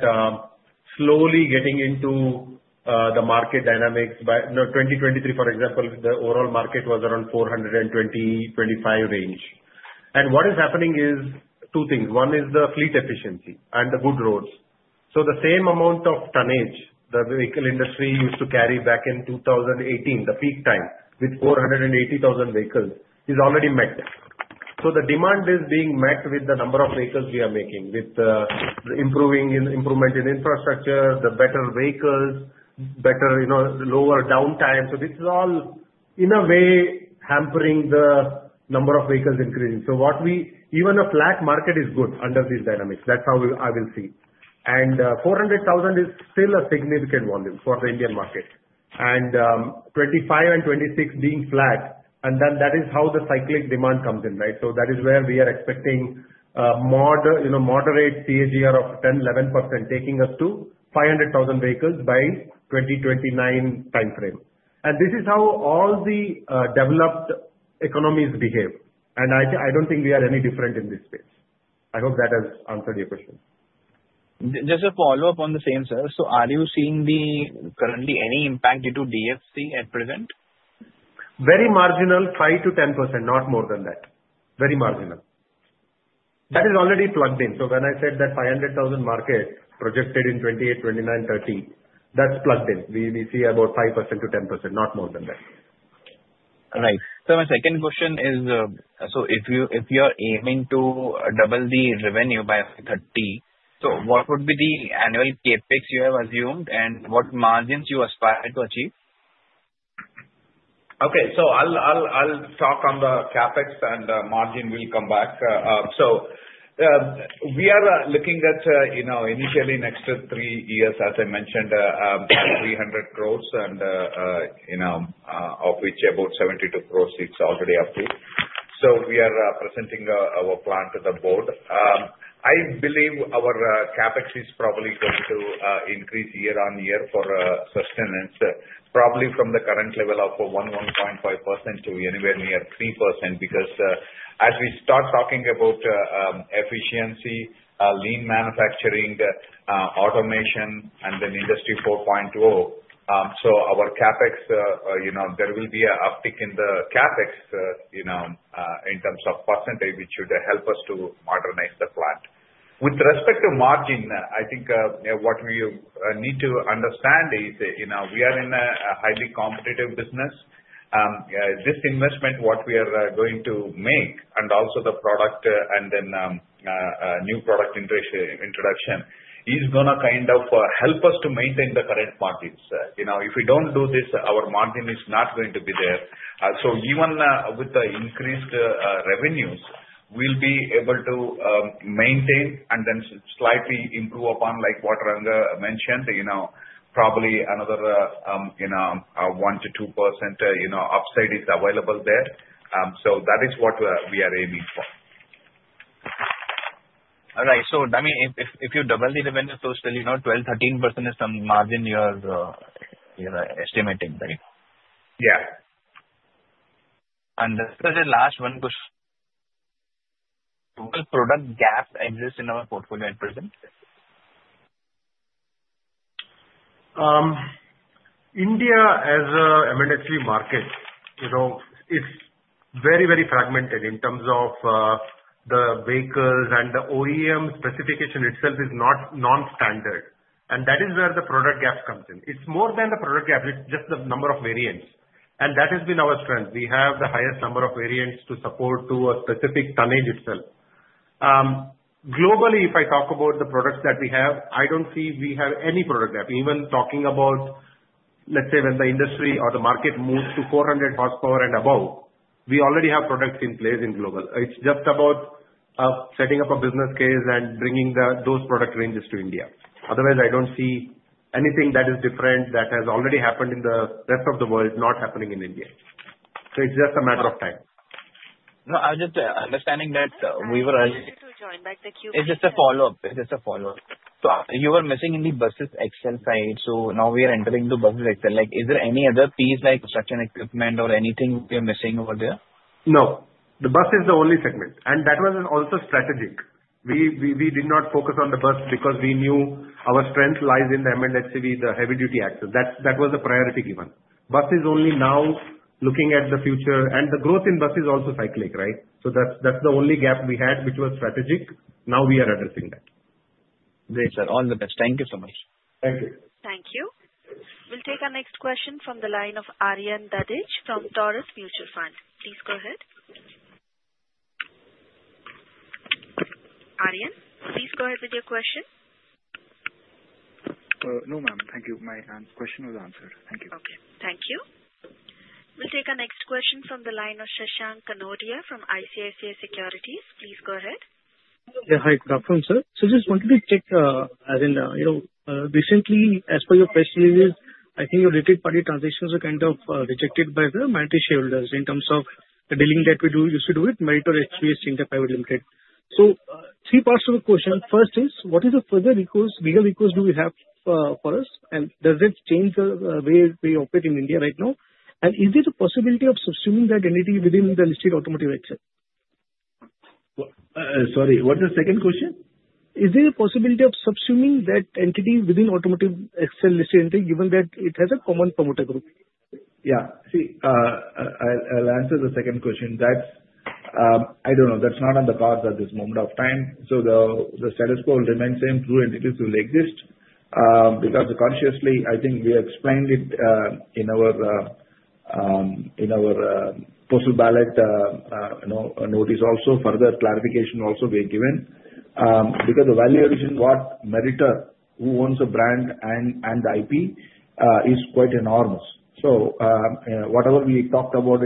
slowly getting into the market dynamics. By 2023, for example, the overall market was around 420-425 range. And what is happening is two things. One is the fleet efficiency and the good roads. So the same amount of tonnage the vehicle industry used to carry back in 2018, the peak time with 480,000 vehicles is already met. So the demand is being met with the number of vehicles we are making with the improvement in infrastructure, the better vehicles, better lower downtime. So this is all, in a way, hampering the number of vehicles increasing. So even a flat market is good under these dynamics. That's how I will see. And 400,000 is still a significant volume for the Indian market. And 2025 and 2026 being flat, and then that is how the cyclic demand comes in, right? So that is where we are expecting moderate CAGR of 10%-11% taking us to 500,000 vehicles by 2029 timeframe. And this is how all the developed economies behave. And I don't think we are any different in this space. I hope that has answered your question. Just to follow up on the same, sir. So are you seeing currently any impact due to DFC at present? Very marginal, 5%-10%, not more than that. Very marginal. That is already plugged in. So when I said that 500,000 market projected in 2028, 2029, 2030, that's plugged in. We see about 5%-10%, not more than that. Right. So my second question is, so if you are aiming to double the revenue by 2030, so what would be the annual CapEx you have assumed and what margins you aspire to achieve? Okay. So I'll talk on the CapEx, and the margin will come back. So we are looking at initially next three years, as I mentioned, 300 crore, and of which about 72 crore, it's already up to. So we are presenting our plan to the board. I believe our CapEx is probably going to increase year-on-year for sustenance, probably from the current level of 1.5% to anywhere near 3% because as we start talking about efficiency, lean manufacturing, automation, and then Industry 4.0, so our CapEx, there will be an uptick in the CapEx in terms of percentage, which should help us to modernize the plant. With respect to margin, I think what we need to understand is we are in a highly competitive business. This investment, what we are going to make, and also the product and then new product introduction is going to kind of help us to maintain the current margins. If we don't do this, our margin is not going to be there. So even with the increased revenues, we'll be able to maintain and then slightly improve upon, like what Ranganathan mentioned, probably another 1%-2% upside is available there. So that is what we are aiming for. All right. So I mean, if you double the revenue, so still 12%-13% is some margin you are estimating, right? Yeah. And the last one question. What product gap exists in our portfolio at present? India as an M&HCV market, it's very, very fragmented in terms of the vehicles, and the OEM specification itself is non-standard. And that is where the product gap comes in. It's more than the product gap. It's just the number of variants. And that has been our strength. We have the highest number of variants to support a specific tonnage itself. Globally, if I talk about the products that we have, I don't see we have any product gap. Even talking about, let's say, when the industry or the market moves to 400 horsepower and above, we already have products in place in global. It's just about setting up a business case and bringing those product ranges to India. Otherwise, I don't see anything that is different that has already happened in the rest of the world, not happening in India. So it's just a matter of time. No, I'm just understanding that we were. I wanted to join back the queue. It's just a follow-up. So you were missing in the bus axle side. So now we are entering into bus axle. Is there any other piece like construction equipment or anything you're missing over there? No. The bus is the only segment. And that was also strategic. We did not focus on the bus because we knew our strength lies in the M&HCV, the heavy-duty axles. That was the priority given. Bus is only now looking at the future. And the growth in bus is also cyclic, right? So that's the only gap we had, which was strategic. Now we are addressing that. Great. Sir, all the best. Thank you so much. Thank you. Thank you. We'll take our next question from the line of Aaryan Dadhich from Taurus Mutual Fund. Please go ahead. Aaryan, please go ahead with your question. No, ma'am. Thank you. My question was answered. Thank you. Okay. Thank you. We'll take our next question from the line of Shashank Kanodia from ICICI Securities. Please go ahead. Yeah. Hi. Good afternoon, sir. So just wanted to check, as in recently, as per your question is, I think your related party transactions are kind of rejected by the minority shareholders in terms of the dealing that we used to do with Meritor HVS India Private Ltd. So three parts of the question. First is, what is the further recourse? Legal recourse do we have for us? And does it change the way we operate in India right now? And is there a possibility of subsuming that entity within the listed Automotive Axles? Sorry. What's the second question? Is there a possibility of subsuming that entity within Automotive Axles listed entity, given that it has a common promoter group? Yeah. See, I'll answer the second question. I don't know. That's not on the cards at this moment of time. So the status quo remains the same. Two entities will exist. Because consciously, I think we explained it in our postal ballot notice also. Further clarification also we have given. Because the value addition, what Meritor, who owns the brand and IP, is quite enormous. So whatever we talked about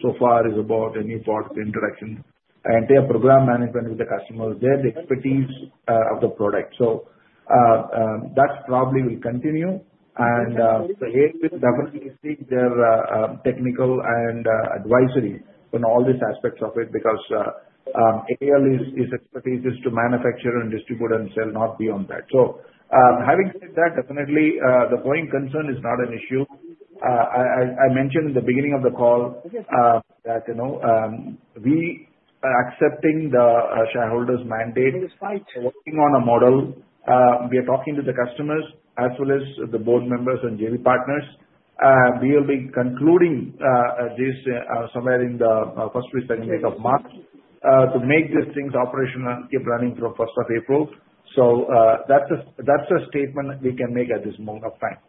so far is about a new product introduction and their program management with the customers. They have the expertise of the product. So that probably will continue. And AAL will definitely seek their technical and advisory on all these aspects of it because AAL's expertise is to manufacture and distribute and sell, not beyond that. So having said that, definitely, the growing concern is not an issue. I mentioned in the beginning of the call that we are accepting the shareholders' mandate. We're working on a model. We are talking to the customers as well as the board members and JV partners. We will be concluding this somewhere in the first week, second week of March to make these things operational and keep running through 1st of April. So that's a statement we can make at this moment of time.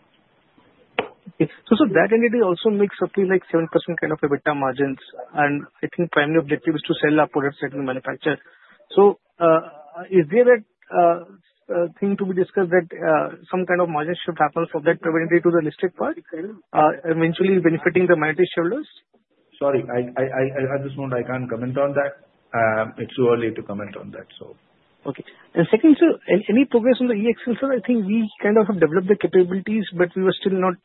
Okay. So that entity also makes roughly like 7% kind of EBITDA margins. And I think primary objective is to sell upwards at the manufacturer. So is there a thing to be discussed that some kind of margin shift happens from that priority to the listed part, eventually benefiting the minority shareholders? Sorry. At this moment, I can't comment on that. It's too early to comment on that, so. Okay. And second, sir, any progress on the eAxle, sir? I think we kind of have developed the capabilities, but we were still not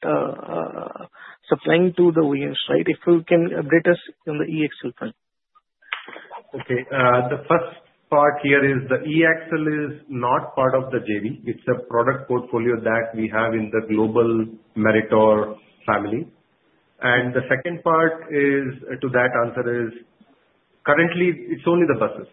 supplying to the OEMs, right? If you can update us on the eAxle front. Okay. The first part here is the eAxle is not part of the JV. It's a product portfolio that we have in the global Meritor family. And the second part to that answer is currently, it's only the buses.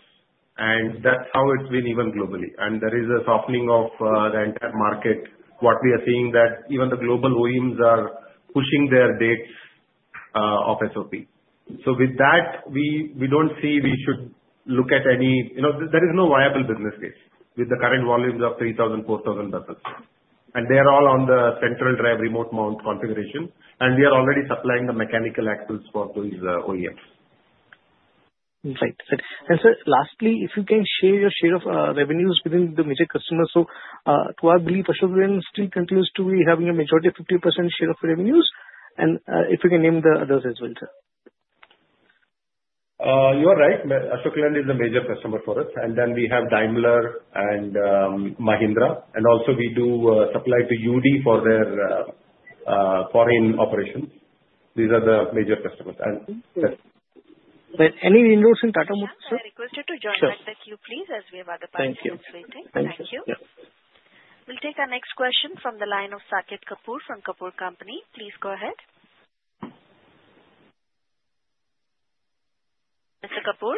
And that's how it's been even globally. And there is a softening of the entire market. What we are seeing is that even the global OEMs are pushing their dates of SOP. So with that, we don't see we should look at any. There is no viable business case with the current volumes of 3,000-4,000 buses. And they are all on the central drive remote mount configuration. And we are already supplying the mechanical axles for those OEMs. Okay. And sir, lastly, if you can share your share of revenues within the major customers. So to our belief, Ashok Leyland still continues to be having a majority of 50% share of revenues. And if you can name the others as well, sir. You are right. Ashok Leyland is a major customer for us. And then we have Daimler and Mahindra. And also, we do supply to UD for their foreign operations. These are the major customers. And. Any inroads in Tata Motors, sir? Sir, I request you to join back the queue, please, as we have other participants waiting. Thank you. Thank you. We'll take our next question from the line of Saket Kapoor from Kapoor & Co. Please go ahead. Mr. Kapoor?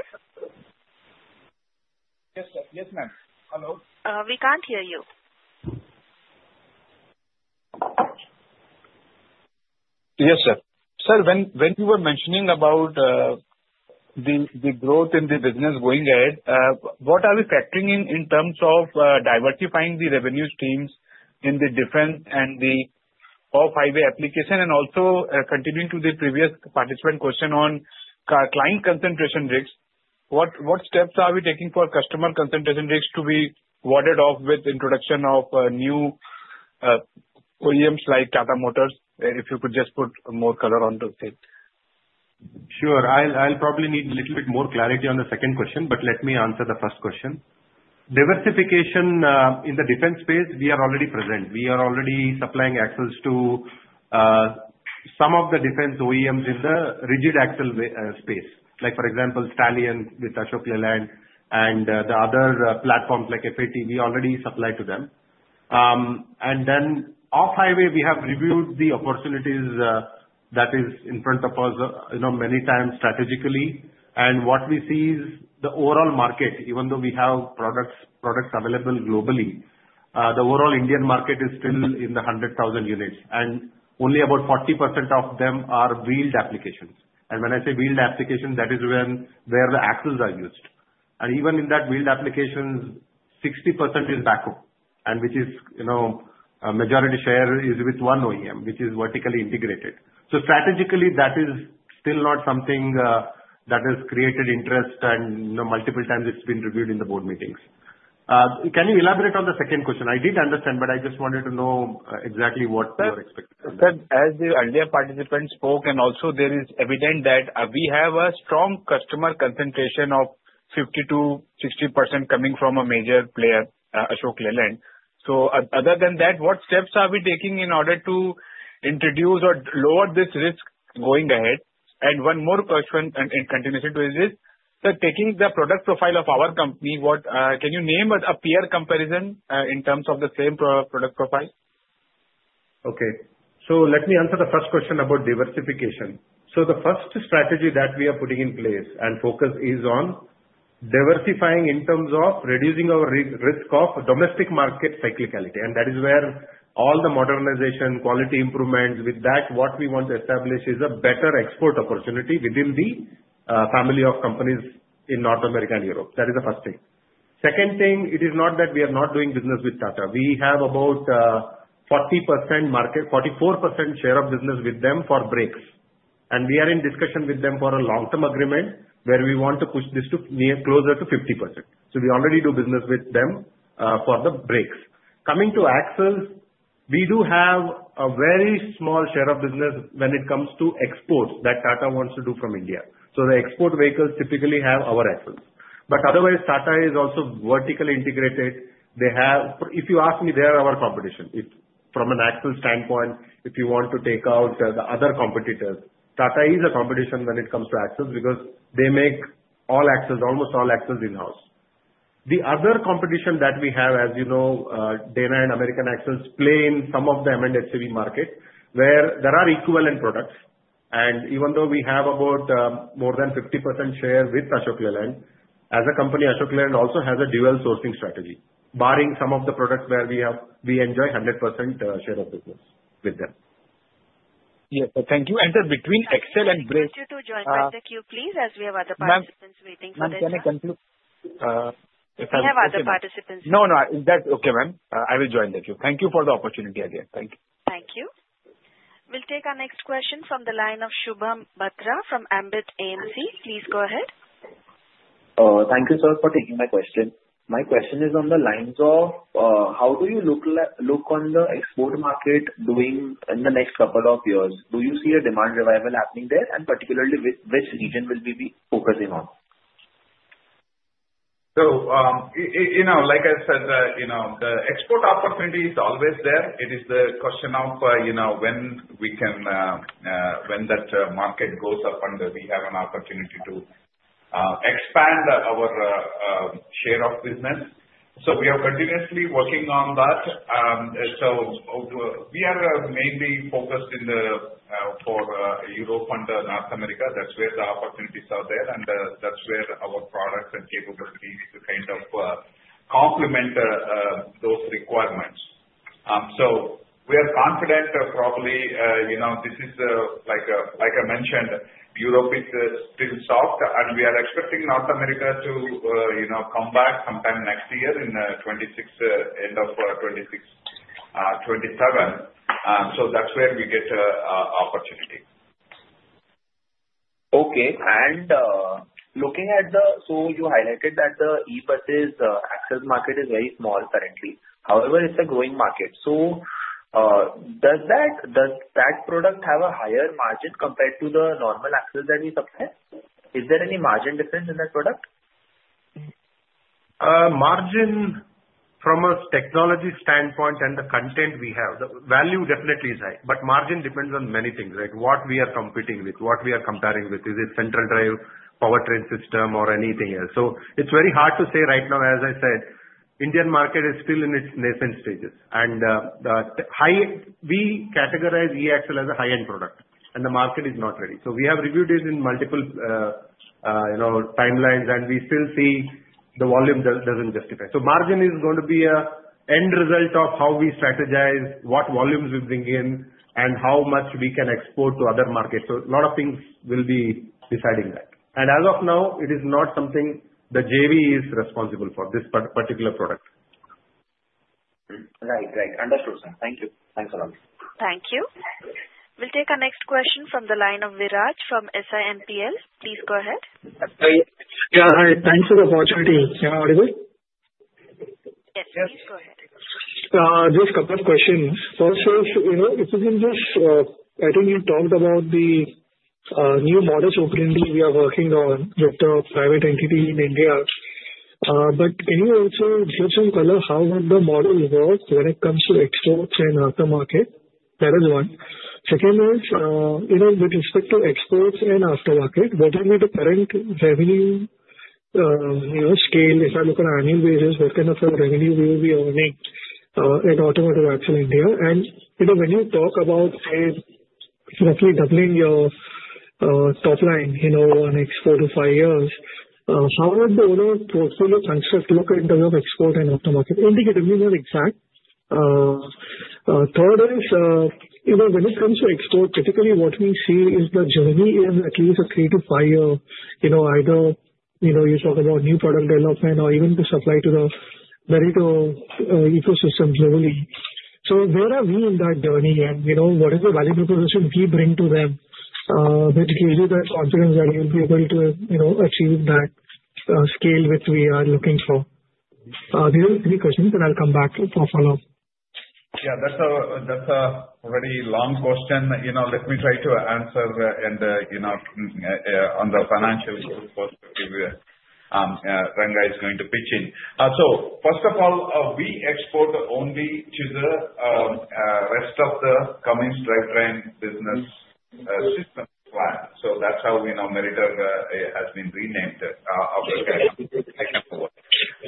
Yes, sir. Yes, ma'am. Hello. We can't hear you. Yes, sir. Sir, when you were mentioning about the growth in the business going ahead, what are we factoring in terms of diversifying the revenue streams in the defense and the off-highway application? And also, continuing to the previous participant question on client concentration risks, what steps are we taking for customer concentration risks to be warded off with the introduction of new OEMs like Tata Motors? If you could just put more color onto it. Sure. I'll probably need a little bit more clarity on the second question, but let me answer the first question. Diversification in the defense space, we are already present. We are already supplying axles to some of the defense OEMs in the rigid axle space, like for example, Stallion with Ashok Leyland and the other platforms like FAT. We already supply to them, and then off-highway, we have reviewed the opportunities that are in front of us many times strategically. And what we see is the overall market, even though we have products available globally, the overall Indian market is still in the 100,000 units. And only about 40% of them are wheeled applications. And when I say wheeled applications, that is where the axles are used. And even in that wheeled applications, 60% is backhoe, which is a majority share is with one OEM, which is vertically integrated. So strategically, that is still not something that has created interest. And multiple times, it's been reviewed in the board meetings. Can you elaborate on the second question? I did understand, but I just wanted to know exactly what your expectation is. Sir, as the earlier participant spoke, and also there is evident that we have a strong customer concentration of 50%-60% coming from a major player, Ashok Leyland. So other than that, what steps are we taking in order to introduce or lower this risk going ahead? And one more question in continuation to this, sir, taking the product profile of our company, can you name a peer comparison in terms of the same product profile? Okay, so let me answer the first question about diversification. The first strategy that we are putting in place and focus is on diversifying in terms of reducing our risk of domestic market cyclicality, and that is where all the modernization, quality improvements. With that, what we want to establish is a better export opportunity within the family of companies in North America and Europe. That is the first thing. Second thing, it is not that we are not doing business with Tata. We have about 40% market, 44% share of business with them for brakes. And we are in discussion with them for a long-term agreement where we want to push this closer to 50%. So we already do business with them for the brakes. Coming to axles, we do have a very small share of business when it comes to exports that Tata wants to do from India, so the export vehicles typically have our axles. But otherwise, Tata is also vertically integrated. If you ask me, they are our competition. From an axle standpoint, if you want to take out the other competitors, Tata is a competition when it comes to axles because they make almost all axles in-house. The other competition that we have, as you know, Dana and American Axle play in some of the M&HCV market where there are equivalent products. And even though we have about more than 50% share with Ashok Leyland, as a company, Ashok Leyland also has a dual sourcing strategy, barring some of the products where we enjoy 100% share of business with them. Yes, sir. Thank you. And, sir, between axles and brakes. Thank you to join back the queue, please, as we have other participants waiting for the questions. We have other participants waiting. No, no. That's okay, ma'am. I will join the queue. Thank you for the opportunity again. Thank you. Thank you. We'll take our next question from the line of Shubham Batra from Ambit AMC. Please go ahead. Thank you, sir, for taking my question. My question is on the lines of how do you look on the export market in the next couple of years? Do you see a demand revival happening there? And particularly, which region will we be focusing on? So like I said, the export opportunity is always there. It is the question of when that market goes up, we have an opportunity to expand our share of business. So we are continuously working on that. So we are mainly focused for Europe, North America. That's where the opportunities are there. And that's where our products and capabilities kind of complement those requirements. So we are confident, probably, this is, like I mentioned, Europe is still soft. And we are expecting North America to come back sometime next year in the end of 2027. So that's where we get opportunity. Okay. And looking at, so you highlighted that the E-buses axle market is very small currently. However, it's a growing market. So does that product have a higher margin compared to the normal axles that we supply? Is there any margin difference in that product? Margin from a technology standpoint and the content we have, the value definitely is high. But margin depends on many things, right? What we are competing with, what we are comparing with, is it central drive powertrain system or anything else? So it's very hard to say right now. As I said, the Indian market is still in its nascent stages. And we categorize eAxle as a high-end product. And the market is not ready. So we have reviewed it in multiple timelines. And we still see the volume doesn't justify. So margin is going to be an end result of how we strategize, what volumes we bring in, and how much we can export to other markets. So a lot of things will be deciding that. And as of now, it is not something the JV is responsible for, this particular product. Right, right. Understood, sir. Thank you. Thanks a lot. Thank you. We'll take our next question from the line of Viraj from SiMPL. Please go ahead. Yeah. Hi. Thanks for the opportunity. Can I order this? Yes. Please go ahead. Just a couple of questions. First is, in this I think you talked about the new model so currently we are working on with the private entity in India. But can you also give some color on how would the model work when it comes to exports and aftermarket? That is one. Second is, with respect to exports and aftermarket, what is the current revenue scale? If I look at annual basis, what kind of revenue will we be earning at Automotive Axles Ltd? And when you talk about, say, roughly doubling your top line in the next four- to five-year, how would the overall portfolio construct look in terms of export and aftermarket? Indicatively, not exact. Third is, when it comes to exports, typically what we see is the journey is at least a three- to five-year. Either you talk about new product development or even to supply to the ecosystem globally. So where are we in that journey? And what is the value proposition we bring to them that gives you that confidence that we'll be able to achieve that scale which we are looking for? These are the three questions. And I'll come back for follow-up. Yeah. That's a very long question. Let me try to answer on the financial perspective when guys is going to pitch in. So first of all, we export only to the rest of the Cummins Drivetrain and Braking Systems client. So that's how Meritor has been renamed after that.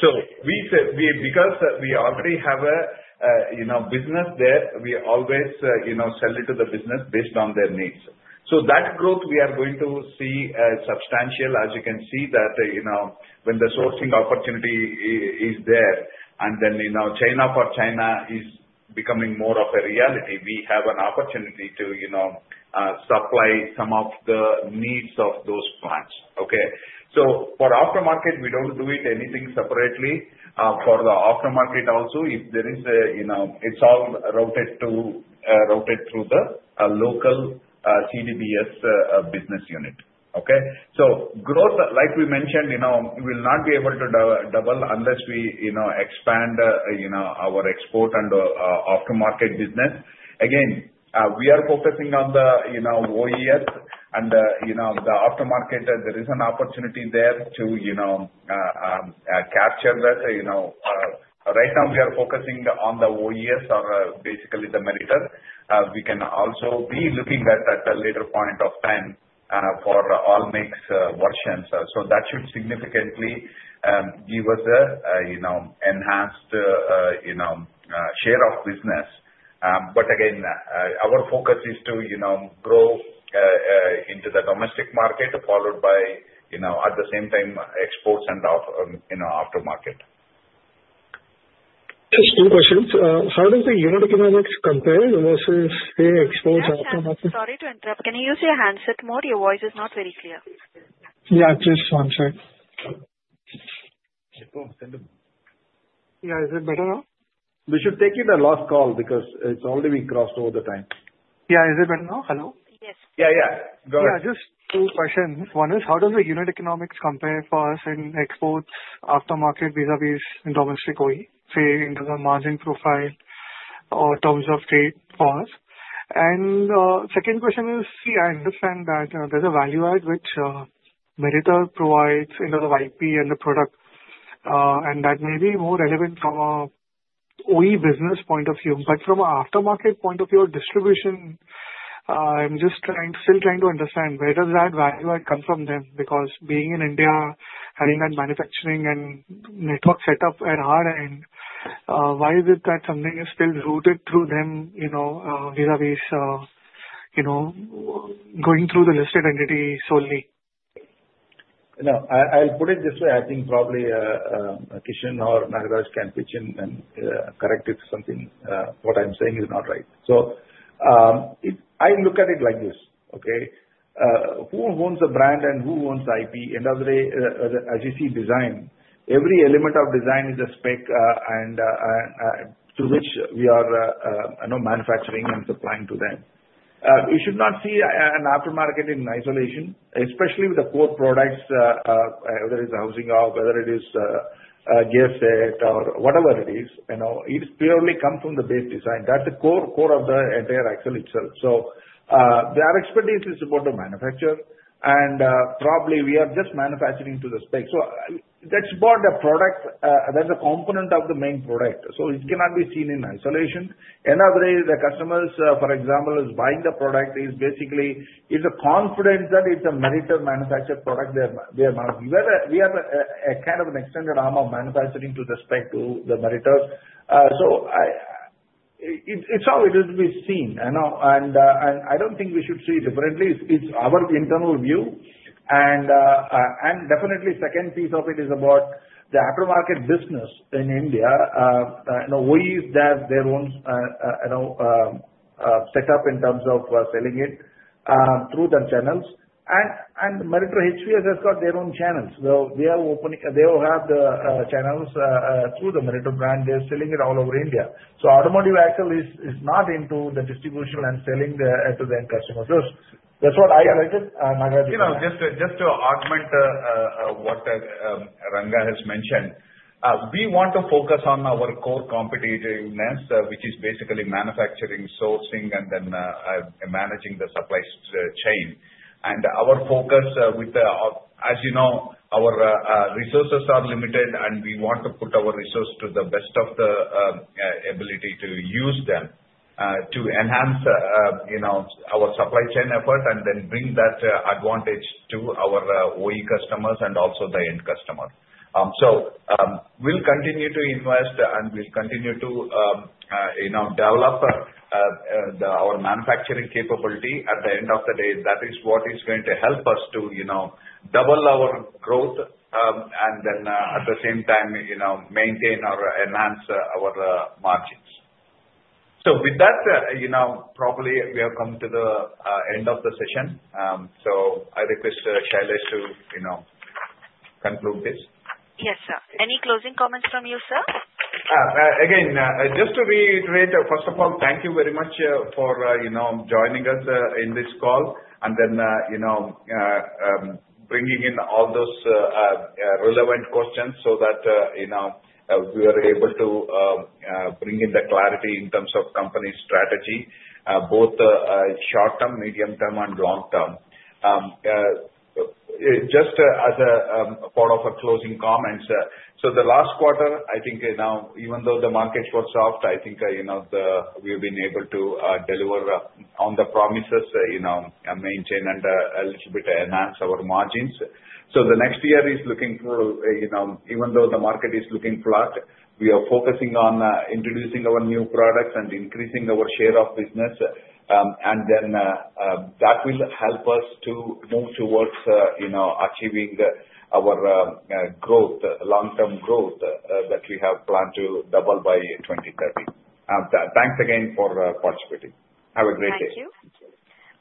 So because we already have a business there, we always sell it to the business based on their needs. So that growth, we are going to see substantial, as you can see, that when the sourcing opportunity is there, and then China Plus One is becoming more of a reality, we have an opportunity to supply some of the needs of those plants. Okay? So for aftermarket, we don't do anything separately. For the aftermarket also, if there is a it's all routed through the local CDBS business unit. Okay? So growth, like we mentioned, we will not be able to double unless we expand our export and aftermarket business. Again, we are focusing on the OES and the aftermarket. There is an opportunity there to capture that. Right now, we are focusing on the OES, basically the Meritor. We can also be looking at that at a later point of time for All Makes versions. So that should significantly give us an enhanced share of business. But again, our focus is to grow into the domestic market, followed by, at the same time, exports and aftermarket. Just two questions. How does the unit economics compare versus, say, exports aftermarket? Sorry to interrupt. Can you use your handset mode? Your voice is not very clear. Yeah. Just one second. Yeah. Is it better now? We should take it as last call because it's already been crossed over the time. Yeah. Is it better now? Hello? Yes. Yeah, yeah. Go ahead. Yeah. Just two questions. One is, how does the unit economics compare for us in exports, aftermarket vis-à-vis domestic OE, say, in terms of margin profile or terms of trade for us? And the second question is, see, I understand that there's a value add which Meritor provides into the IP and the product. And that may be more relevant from an OE business point of view. But from an aftermarket point of view or distribution, I'm just still trying to understand where does that value add come from them? Because being in India, having that manufacturing and network setup at our end, why is it that something is still routed through them vis-à-vis going through the listed entity solely? No. I'll put it this way. I think probably Kishan or Nagaraja can pitch in and correct if something, what I'm saying, is not right. So I look at it like this. Okay? Who owns the brand and who owns the IP? As you see, design, every element of design is a spec through which we are manufacturing and supplying to them. We should not see an aftermarket in isolation, especially with the core products, whether it's the housing or whether it is a gear set or whatever it is. It purely comes from the base design. That's the core of the entire axle itself. So their expertise is supportive manufacture. And probably, we are just manufacturing to the spec. So that's more the product than the component of the main product. So it cannot be seen in isolation. Otherwise, the customers, for example, who are buying the product, basically, it's a confidence that it's a Meritor manufactured product. We are kind of an extended arm of manufacturing to the spec to the Meritor. So it's how it is to be seen. And I don't think we should see it differently. It's our internal view. And definitely, the second piece of it is about the aftermarket business in India. OEs have their own setup in terms of selling it through their channels. And Meritor HVS has got their own channels. So they will have the channels through the Meritor brand. They're selling it all over India. So Automotive Axles is not into the distribution and selling to their customers. So that's what I highlighted. Just to augment what Ranganathan has mentioned, we want to focus on our core competitiveness, which is basically manufacturing, sourcing, and then managing the supply chain. And our focus with the, as you know, our resources are limited. And we want to put our resources to the best of the ability to use them to enhance our supply chain effort and then bring that advantage to our OE customers and also the end customer. So we'll continue to invest. And we'll continue to develop our manufacturing capability. At the end of the day, that is what is going to help us to double our growth and then, at the same time, maintain or enhance our margins. So with that, probably, we have come to the end of the session. So I request Shailesh to conclude this. Yes, sir. Any closing comments from you, sir? Again, just to reiterate, first of all, thank you very much for joining us in this call and then bringing in all those relevant questions so that we were able to bring in the clarity in terms of company strategy, both short-term, medium-term, and long-term. Just as a part of our closing comments, so the last quarter, I think, even though the markets were soft, I think we've been able to deliver on the promises, maintain and a little bit enhance our margins. So the next year is looking through, even though the market is looking flat, we are focusing on introducing our new products and increasing our share of business. And then that will help us to move towards achieving our long-term growth that we have planned to double by 2030. Thanks again for participating. Have a great day. Thank you.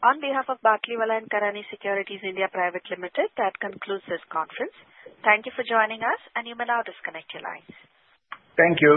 On behalf of Batlivala & Karani Securities India Private Limited, that concludes this conference. Thank you for joining us, and you may now disconnect your lines. Thank you.